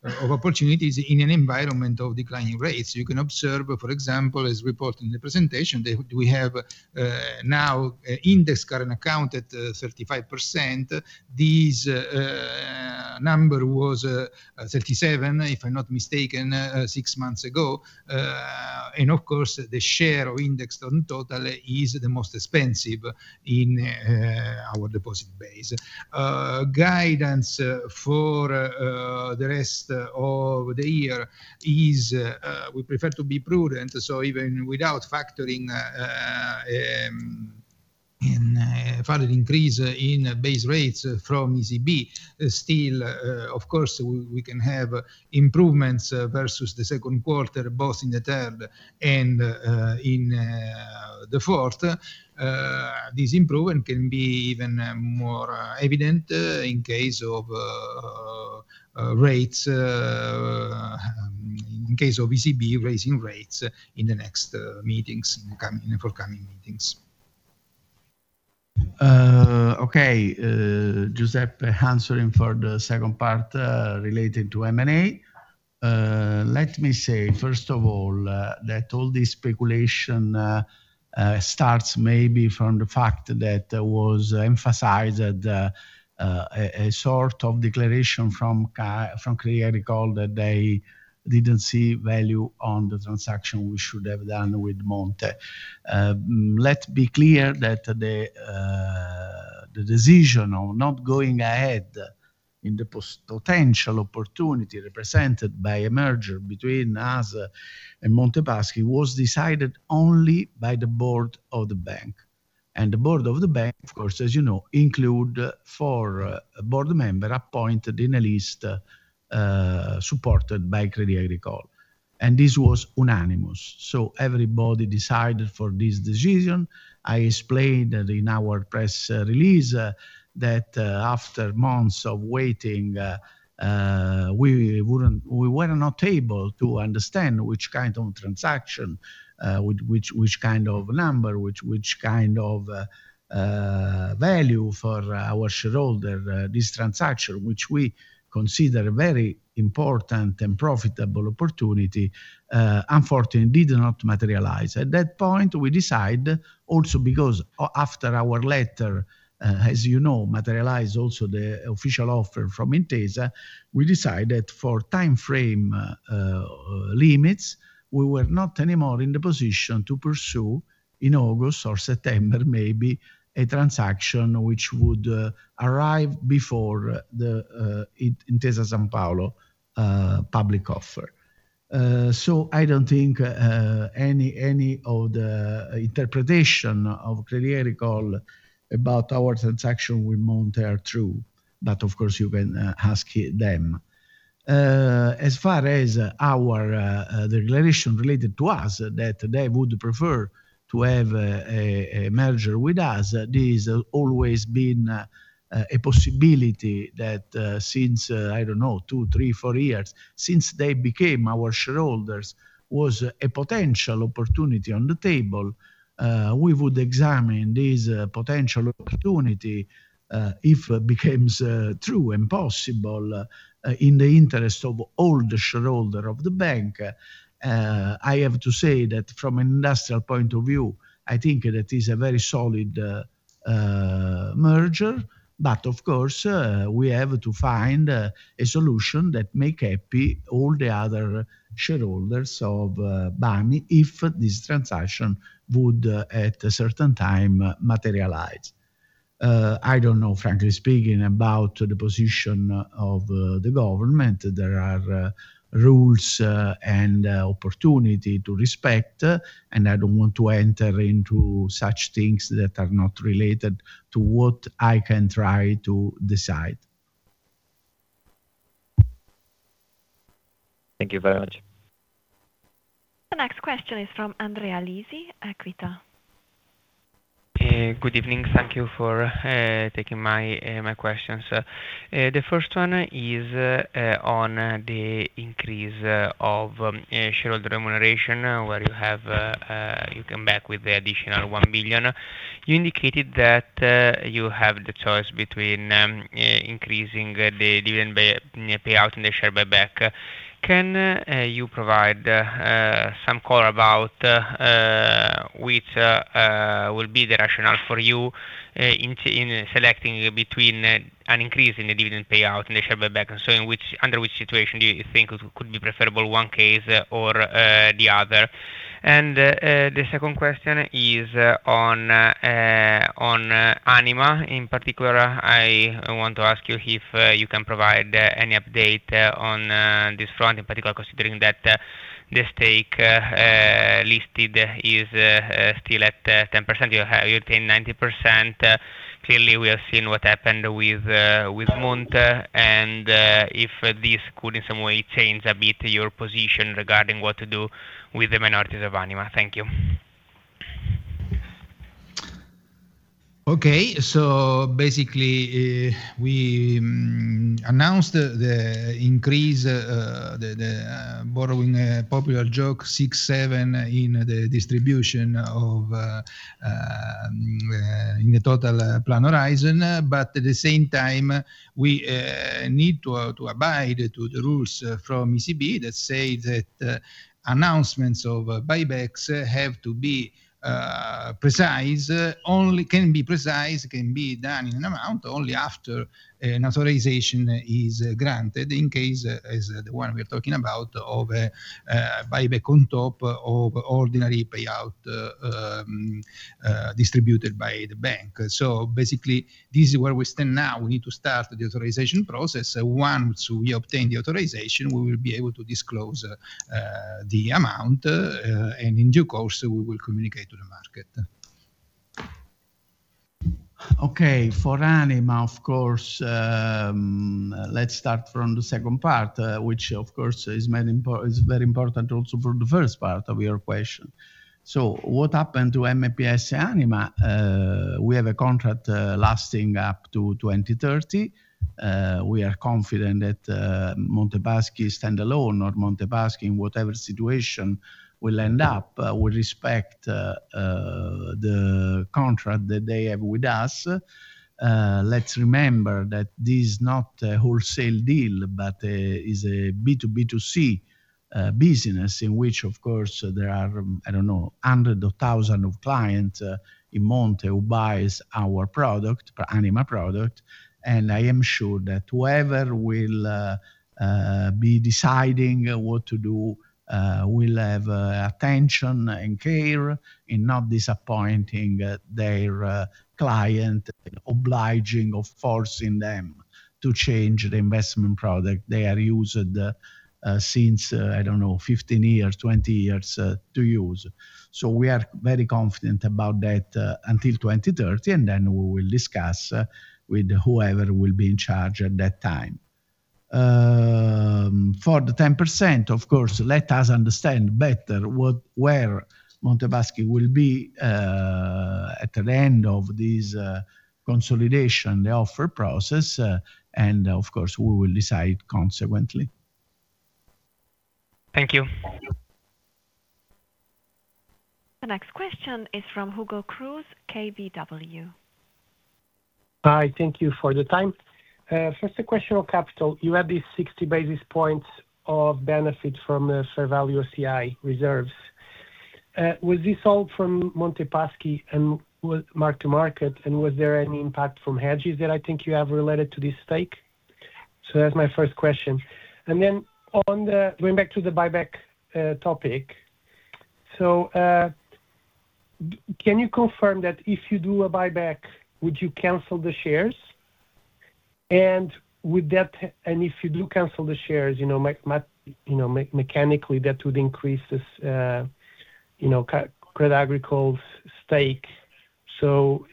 of opportunities in an environment of declining rates. You can observe, for example, as reported in the presentation, that we have now index current account at 65%. This number was 37, if I am not mistaken, six months ago. Of course, the share of indexed on total is the most expensive in our deposit base. Guidance for the rest of the year is, we prefer to be prudent. Even without factoring in a further increase in base rates from ECB, still, of course, we can have improvements versus the second quarter, both in the third and in the fourth. This improvement can be even more evident in case of ECB raising rates in the next forthcoming meetings. Giuseppe answering for the second part, related to M&A. Let me say, first of all, that all this speculation starts maybe from the fact that was emphasized a sort of declaration from Crédit Agricole that they didn't see value on the transaction we should have done with Monte. Let's be clear that the decision of not going ahead in the potential opportunity represented by a merger between us and Monte dei Paschi was decided only by the board of the bank. The board of the bank, of course, as you know, include four board members appointed in a list, supported by Crédit Agricole. This was unanimous. Everybody decided for this decision. I explained in our press release that after months of waiting, we were not able to understand which kind of transaction, which kind of number, which kind of value for our shareholder, this transaction, which we consider a very important and profitable opportunity, unfortunately did not materialize. At that point, we decide also because after our letter, as you know, materialized also the official offer from Intesa, we decided for timeframe limits, we were not anymore in the position to pursue in August or September, maybe, a transaction which would arrive before the Intesa Sanpaolo public offer. I don't think any of the interpretation of Crédit Agricole about our transaction with Monte are true. Of course, you can ask them. As far as our declaration related to us, that they would prefer to have a merger with us, this always been a possibility that since, I don't know, two, three, four years, since they became our shareholders, was a potential opportunity on the table. We would examine this potential opportunity, if becomes true and possible, in the interest of all the shareholder of the bank. I have to say that from an industrial point of view, I think that is a very solid merger. Of course, we have to find a solution that make happy all the other shareholders of Banco BPM, if this transaction would, at a certain time, materialize. I don't know, frankly speaking, about the position of the government. There are rules and opportunity to respect, I don't want to enter into such things that are not related to what I can try to decide. Thank you very much. The next question is from Andrea Lisi, Equita. Good evening. Thank you for taking my questions. The first one is on the increase of shareholder remuneration, where you come back with the additional 1 billion. You indicated that you have the choice between increasing the dividend payout and the share buyback. Can you provide some color about which will be the rationale for you in selecting between an increase in the dividend payout and the share buyback? Under which situation do you think could be preferable, one case or the other? The second question is on Anima in particular. I want to ask you if you can provide any update on this front, in particular, considering that the stake listed is still at 10%, you obtain 90%. Clearly, we have seen what happened with Monte, and if this could, in some way, change a bit your position regarding what to do with the minorities of Anima. Thank you. We announced the increase, the borrowing, popular joke, six, seven in the distribution of the total plan horizon. At the same time, we need to abide to the rules from ECB that say that announcements of buybacks have to be precise. Only can be precise, can be done in an amount, only after an authorization is granted, in case as the one we are talking about, of a buyback on top of ordinary payout distributed by the bank. This is where we stand now. We need to start the authorization process. Once we obtain the authorization, we will be able to disclose the amount, and in due course, we will communicate to the market. For Anima, of course, let's start from the second part, which of course is very important also for the first part of your question. What happened to MPS and Anima? We have a contract lasting up to 2030. We are confident that Monte dei Paschi stand alone, or Monte dei Paschi, in whatever situation will end up, will respect the contract that they have with us. Let's remember that this is not a wholesale deal, but is a B2B2C business in which, of course, there are, I don't know, hundreds of thousands of clients in Monte who buys our product, Anima product. I am sure that whoever will be deciding what to do will have attention and care in not disappointing their client, obliging or forcing them to change the investment product they are used since, I don't know, 15 years, 20 years to use. We are very confident about that until 2030, and then we will discuss with whoever will be in charge at that time. For the 10%, of course, let us understand better where Monte dei Paschi will be at the end of this consolidation, the offer process. Of course, we will decide consequently. Thank you. The next question is from Hugo Cruz, KBW. Hi, thank you for the time. First, a question on capital. You have this 60 basis points of benefit from Fair Value OCI reserves. Was this all from Monte dei Paschi and was mark-to-market, and was there any impact from hedges that I think you have related to this stake? That's my first question. Then going back to the buyback topic. Can you confirm that if you do a buyback, would you cancel the shares? With that, and if you do cancel the shares, mechanically that would increase Crédit Agricole's stake. What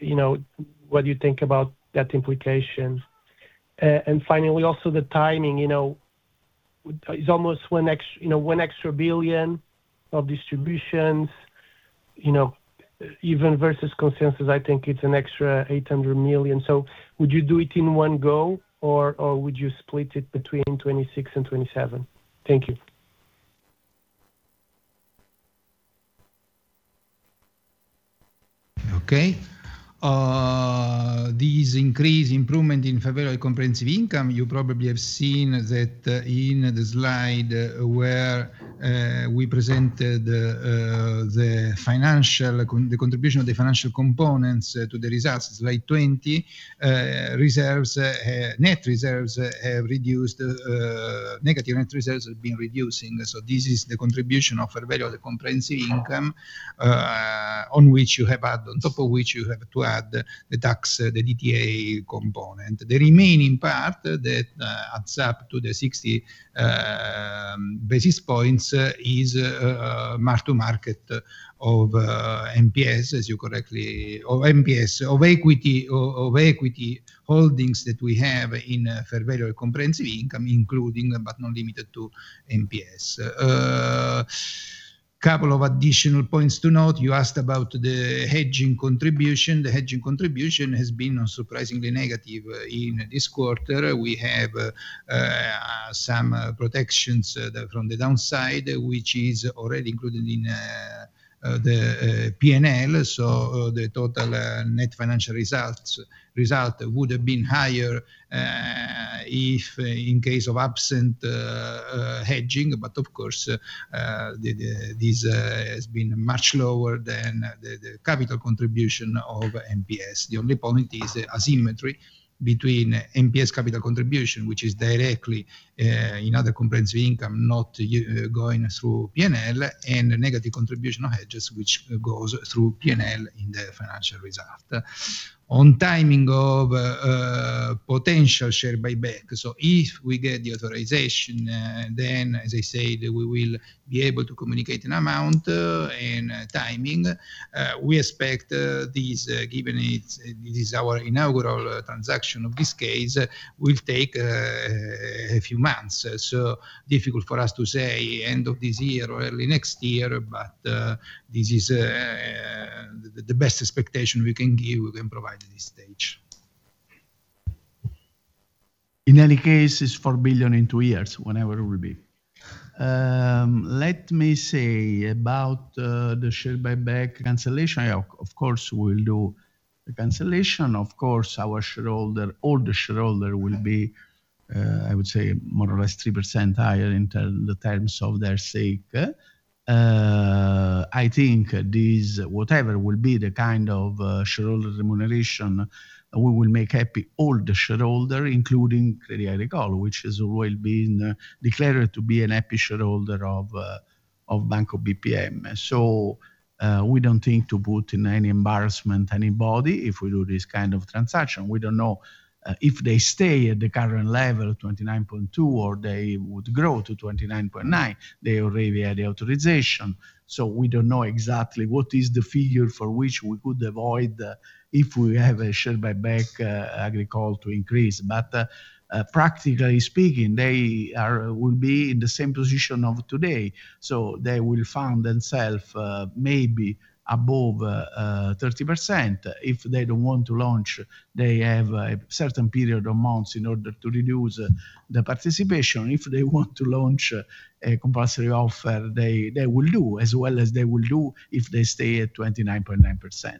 do you think about that implication? Finally, also the timing. It's almost 1 billion extra of distributions, even versus consensus, I think it's an extra 800 million. Would you do it in one go or would you split it between 2026 and 2027? Thank you. Okay. This increase improvement in Fair Value Comprehensive Income, you probably have seen that in the slide where we presented the contribution of the financial components to the results, Slide 20. Negative net reserves have been reducing. This is the contribution of fair value of the comprehensive income, on top of which you have to add the tax, the DTA component. The remaining part that adds up to the 60 basis points is mark to market of NPEs, of equity holdings that we have in Fair Value Comprehensive Income, including but not limited to NPEs. A couple of additional points to note. You asked about the hedging contribution. The hedging contribution has been unsurprisingly negative in this quarter. We have some protections from the downside, which is already included in the P&L. The total net financial result would have been higher if in case of absent hedging. Of course, this has been much lower than the capital contribution of NPEs. The only point is asymmetry between NPEs capital contribution, which is directly in Other Comprehensive Income, not going through P&L, and negative contribution hedges, which goes through P&L in the financial result. On timing of potential share buyback. If we get the authorization, as I said, we will be able to communicate an amount and timing. We expect this, given it is our inaugural transaction of this case, will take a few months. Difficult for us to say end of this year or early next year, but this is the best expectation we can give, we can provide at this stage. In any case, it's 4 billion in two years, whenever it will be. Let me say about the share buyback cancellation. Of course, we'll do a cancellation. Of course, our shareholder, all the shareholder will be, I would say more or less 3% higher in the terms of their stake. I think this, whatever will be the kind of shareholder remuneration, we will make happy all the shareholder, including Crédit Agricole, which has always been declared to be an happy shareholder of Banco BPM. We don't think to put in any embarrassment anybody, if we do this kind of transaction. We don't know if they stay at the current level, 29.2%, or they would grow to 29.9%. They already had the authorization. We don't know exactly what is the figure for which we could avoid, if we have a share buyback, Agricole to increase. Practically speaking, they will be in the same position of today, they will find themselves maybe above 30%. If they don't want to launch, they have a certain period of months in order to reduce the participation. If they want to launch a compulsory offer, they will do, as well as they will do if they stay at 29.9%.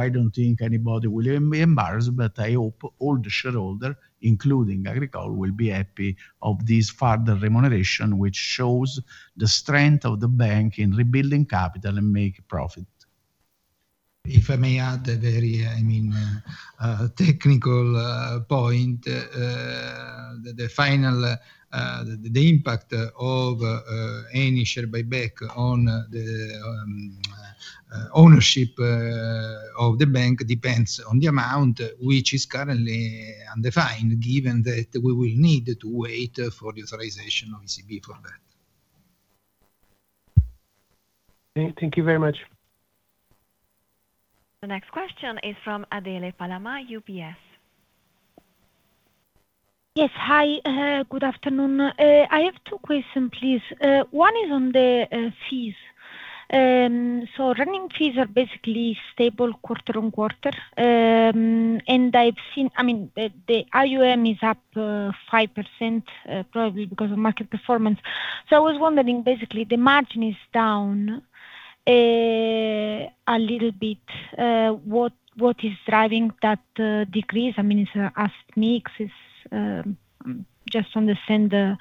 I don't think anybody will be embarrassed, I hope all the shareholder, including Agricole, will be happy of this further remuneration, which shows the strength of the bank in rebuilding capital and make profit. If I may add a very technical point. The impact of any share buyback on the ownership of the bank depends on the amount, which is currently undefined, given that we will need to wait for the authorization of ECB for that. Thank you very much. The next question is from Adele Palamà, UBS. Yes. Hi, good afternoon. I have two question, please. One is on the fees. Running fees are basically stable quarter-on-quarter. I've seen, the AUM is up 5%, probably because of market performance. I was wondering, basically, the margin is down a little bit. What is driving that decrease? It's asked me, just to understand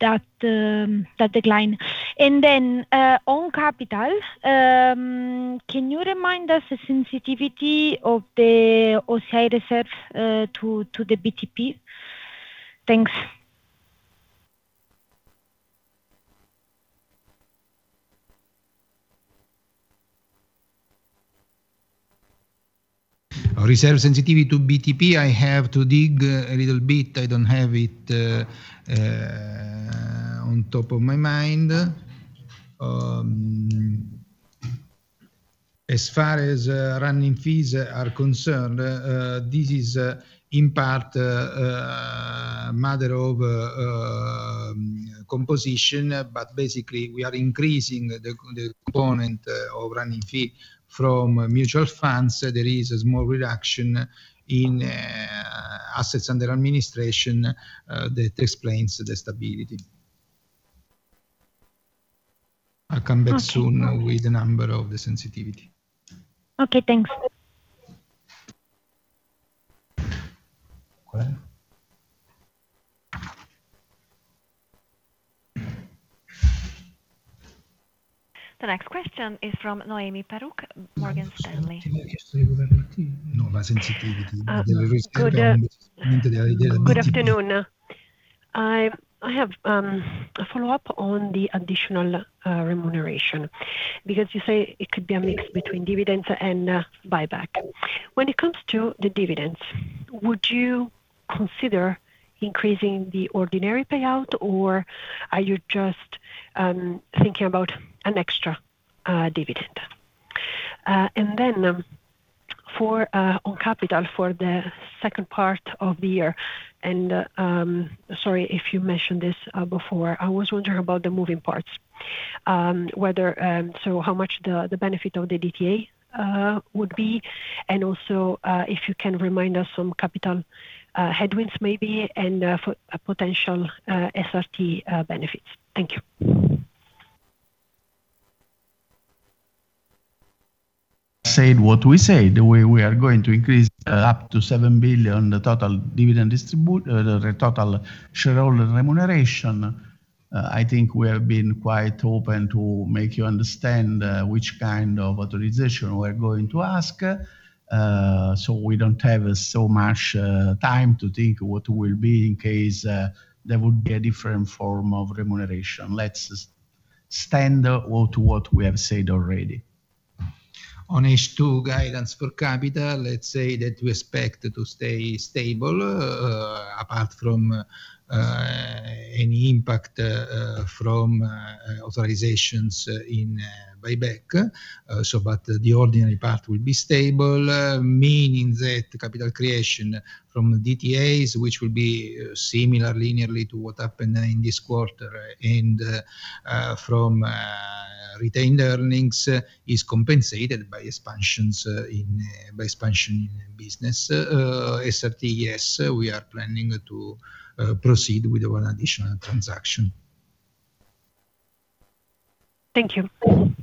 that decline. Then, on capital, can you remind us the sensitivity of the OCI reserve to the BTP? Thanks. Reserve sensitivity to BTP, I have to dig a little bit. I don't have it on top of my mind. As far as running fees are concerned, this is in part a matter of composition. Basically, we are increasing the component of running fee from mutual funds. There is a small reduction in assets under administration that explains the stability. I'll come back soon with the number of the sensitivity. Okay, thanks. The next question is from Noemi Peruch, Morgan Stanley. Good afternoon. I have a follow-up on the additional remuneration, because you say it could be a mix between dividends and buyback. When it comes to the dividends, would you consider increasing the ordinary payout, or are you just thinking about an extra dividend? On capital for the second part of the year, and sorry if you mentioned this before, I was wondering about the moving parts. How much the benefit of the DTA would be, and also if you can remind us some capital headwinds maybe, and potential SRT benefits. Thank you. We said what we said, we are going to increase up to 7 billion the total shareholder remuneration. I think we have been quite open to make you understand which kind of authorization we are going to ask; we don't have so much time to think what will be in case there would be a different form of remuneration. Let's stand to what we have said already. On H2 guidance for capital, let's say that we expect to stay stable apart from any impact from authorizations in buyback. The ordinary part will be stable, meaning that capital creation from DTAs, which will be similar linearly to what happened in this quarter, and from retained earnings, is compensated by expansion in business. SRT, yes, we are planning to proceed with one additional transaction. Thank you. The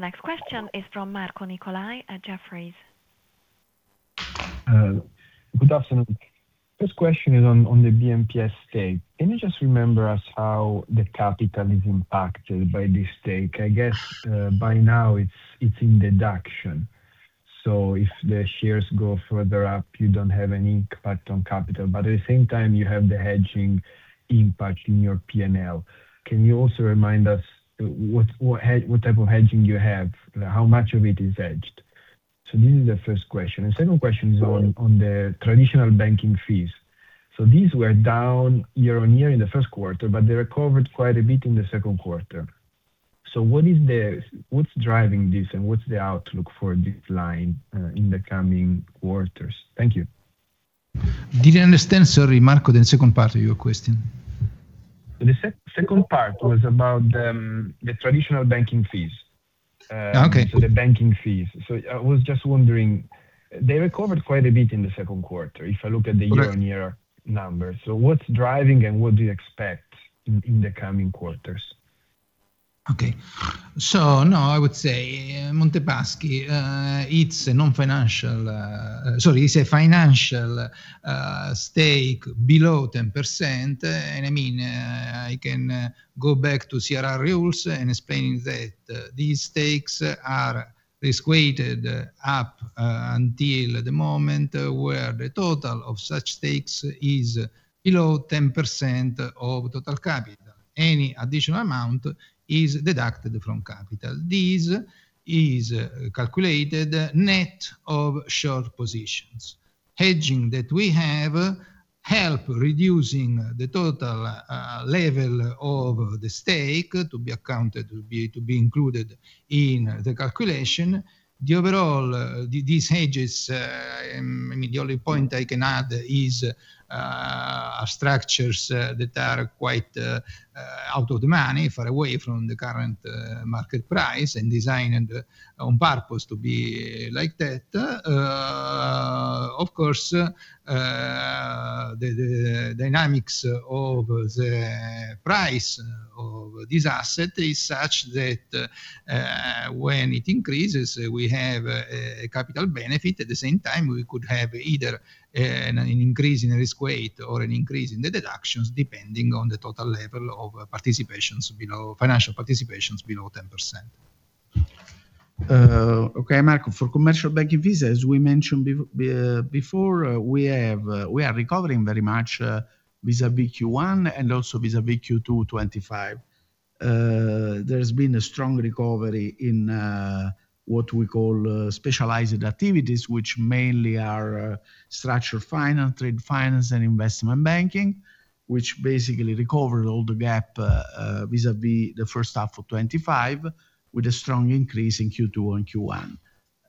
next question is from Marco Nicolai at Jefferies. Good afternoon. First question is on the BMPS stake. Can you just remember us how the capital is impacted by this stake? I guess by now it's in deduction, so if the shares go further up, you don't have any impact on capital, but at the same time, you have the hedging impact in your P&L. Can you also remind us what type of hedging you have? How much of it is hedged? This is the first question, and second question is on the traditional banking fees. These were down year-on-year in the first quarter, but they recovered quite a bit in the second quarter. What's driving this, and what's the outlook for this line in the coming quarters? Thank you. Didn't understand, sorry, Marco, the second part of your question. The second part was about the traditional banking fees. Okay. The banking fees. I was just wondering, they recovered quite a bit in the second quarter if I look at the year-on-year number. What's driving, and what do you expect in the coming quarters? Now I would say Monte dei Paschi, it's a financial stake below 10%. I can go back to CRR rules and explain that these stakes are risk-weighted up until the moment where the total of such stakes is below 10% of total capital. Any additional amount is deducted from capital. This is calculated net of short positions. Hedging that we have help reducing the total level of the stake to be accounted, to be included in the calculation. The overall, these hedges, the only point I can add is, are structures that are quite out of the money, far away from the current market price, and designed on purpose to be like that. Of course, the dynamics of the price of this asset is such that when it increases, we have a capital benefit. At the same time, we could have either an increase in risk-weight or an increase in the deductions, depending on the total level of financial participations below 10%. Okay, Marco, for commercial banking vis-à-vis, we mentioned before, we are recovering very much vis-à-vis Q1 and also vis-à-vis Q2 2025. There's been a strong recovery in what we call specialized activities, which mainly are structured finance, trade finance, and investment banking, which basically recovered all the gap vis-à-vis the first half of 2025 with a strong increase in Q2 and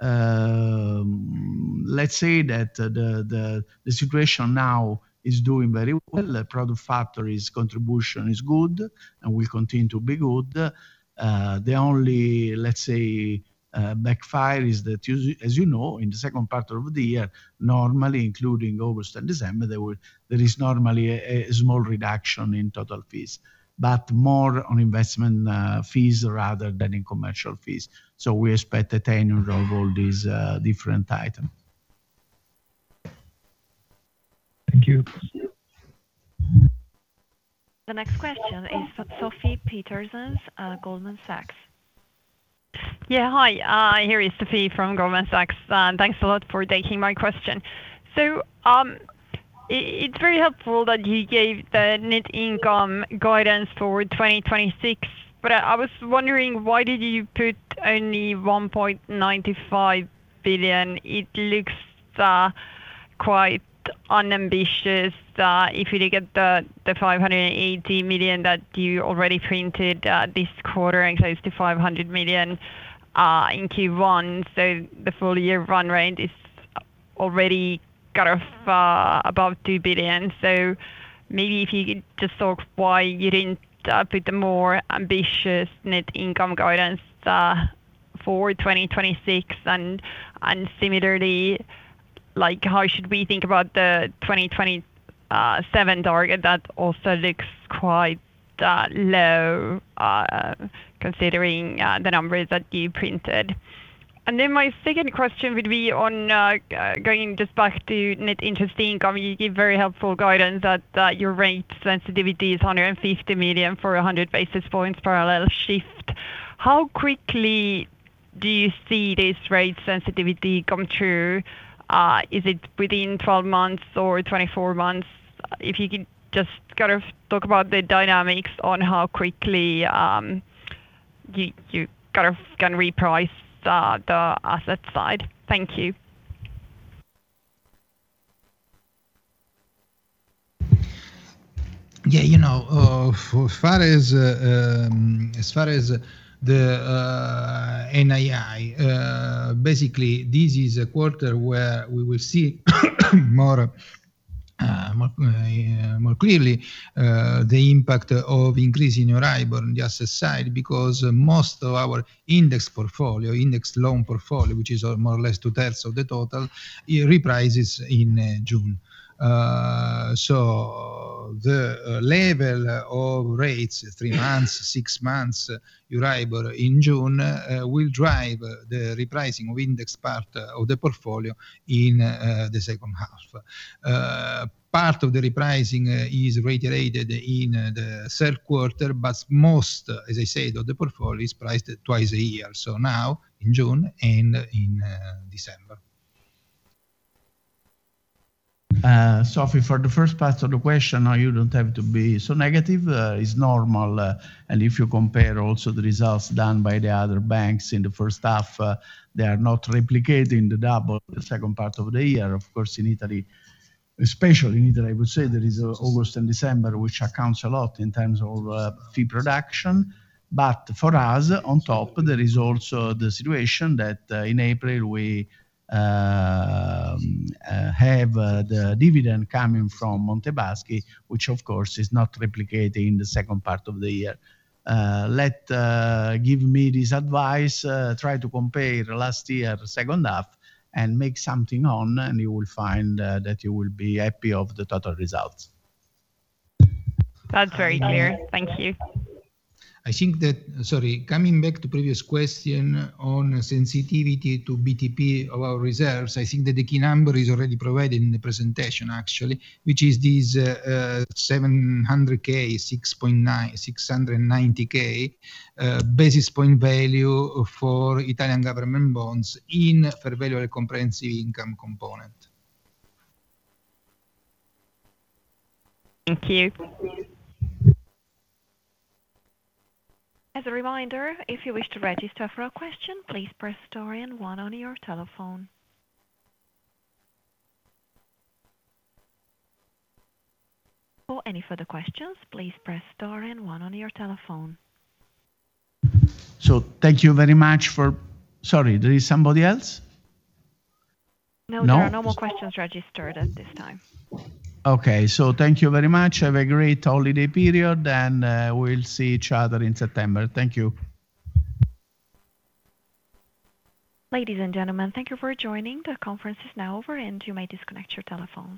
Q1. Let's say that the situation now is doing very well. Product factories contribution is good and will continue to be good. The only, let's say, backfire is that, as you know, in the second part of the year, normally including August and December, there is normally a small reduction in total fees. More on investment fees rather than in commercial fees. We expect a tenure of all these different items. Thank you. The next question is from Sofie Peterzéns, Goldman Sachs. Yeah. Hi, here is Sofie from Goldman Sachs. Thanks a lot for taking my question. It's very helpful that you gave the net income guidance for 2026, but I was wondering, why did you put only 1.95 billion? It looks quite unambitious, if you look at the 580 million that you already printed this quarter and close to 500 million in Q1. The full year run rate is already above 2 billion. Maybe if you could just talk why, you didn't put the more ambitious net income guidance for 2026, and similarly, how should we think about the 2027 target that also looks quite low, considering the numbers that you printed. My second question would be on going just back to net interest income. You give very helpful guidance that your rate sensitivity is 150 million for 100 basis points parallel shift. How quickly do you see this rate sensitivity come through? Is it within 12 months or 24 months? If you could just talk about the dynamics on how quickly you can reprice the asset side. Thank you. Yeah, as far as the NII, basically this is a quarter where we will see more clearly the impact of increase in Euribor on the asset side, because most of our index loan portfolio, which is more or less two-thirds of the total, reprices in June. The level of rates three months, six months, Euribor in June, will drive the repricing of index part of the portfolio in the second half. Part of the repricing is reiterated in the third quarter, but most, as I said, of the portfolio is priced twice a year. Now in June and in December. Sofie, for the first part of the question, you don't have to be so negative. It's normal, if you compare also the results done by the other banks in the first half, they are not replicating the double the second part of the year. Of course, especially in Italy, I would say there is August and December, which accounts a lot in terms of fee production. For us, on top, there is also the situation that in April we have the dividend coming from Monte dei Paschi, which of course is not replicating the second part of the year. Let give me this advice, try to compare last year second half, and make something on, and you will find that you will be happy of the total results. That's very clear. Thank you. Sorry, coming back to previous question on sensitivity to BTP of our reserves. I think that the key number is already provided in the presentation, actually, which is this 700,000 690,000 basis point value for Italian government bonds in Fair Value Comprehensive Income component. Thank you. As a reminder, if you wish to register for a question, please press star and one on your telephone. For any further questions, please press star and one on your telephone. Thank you very much for Sorry, there is somebody else? No. No, there are no more questions registered at this time. Okay, thank you very much. Have a great holiday period, and we'll see each other in September. Thank you. Ladies and gentlemen, thank you for joining. The conference is now over and you may disconnect your telephone.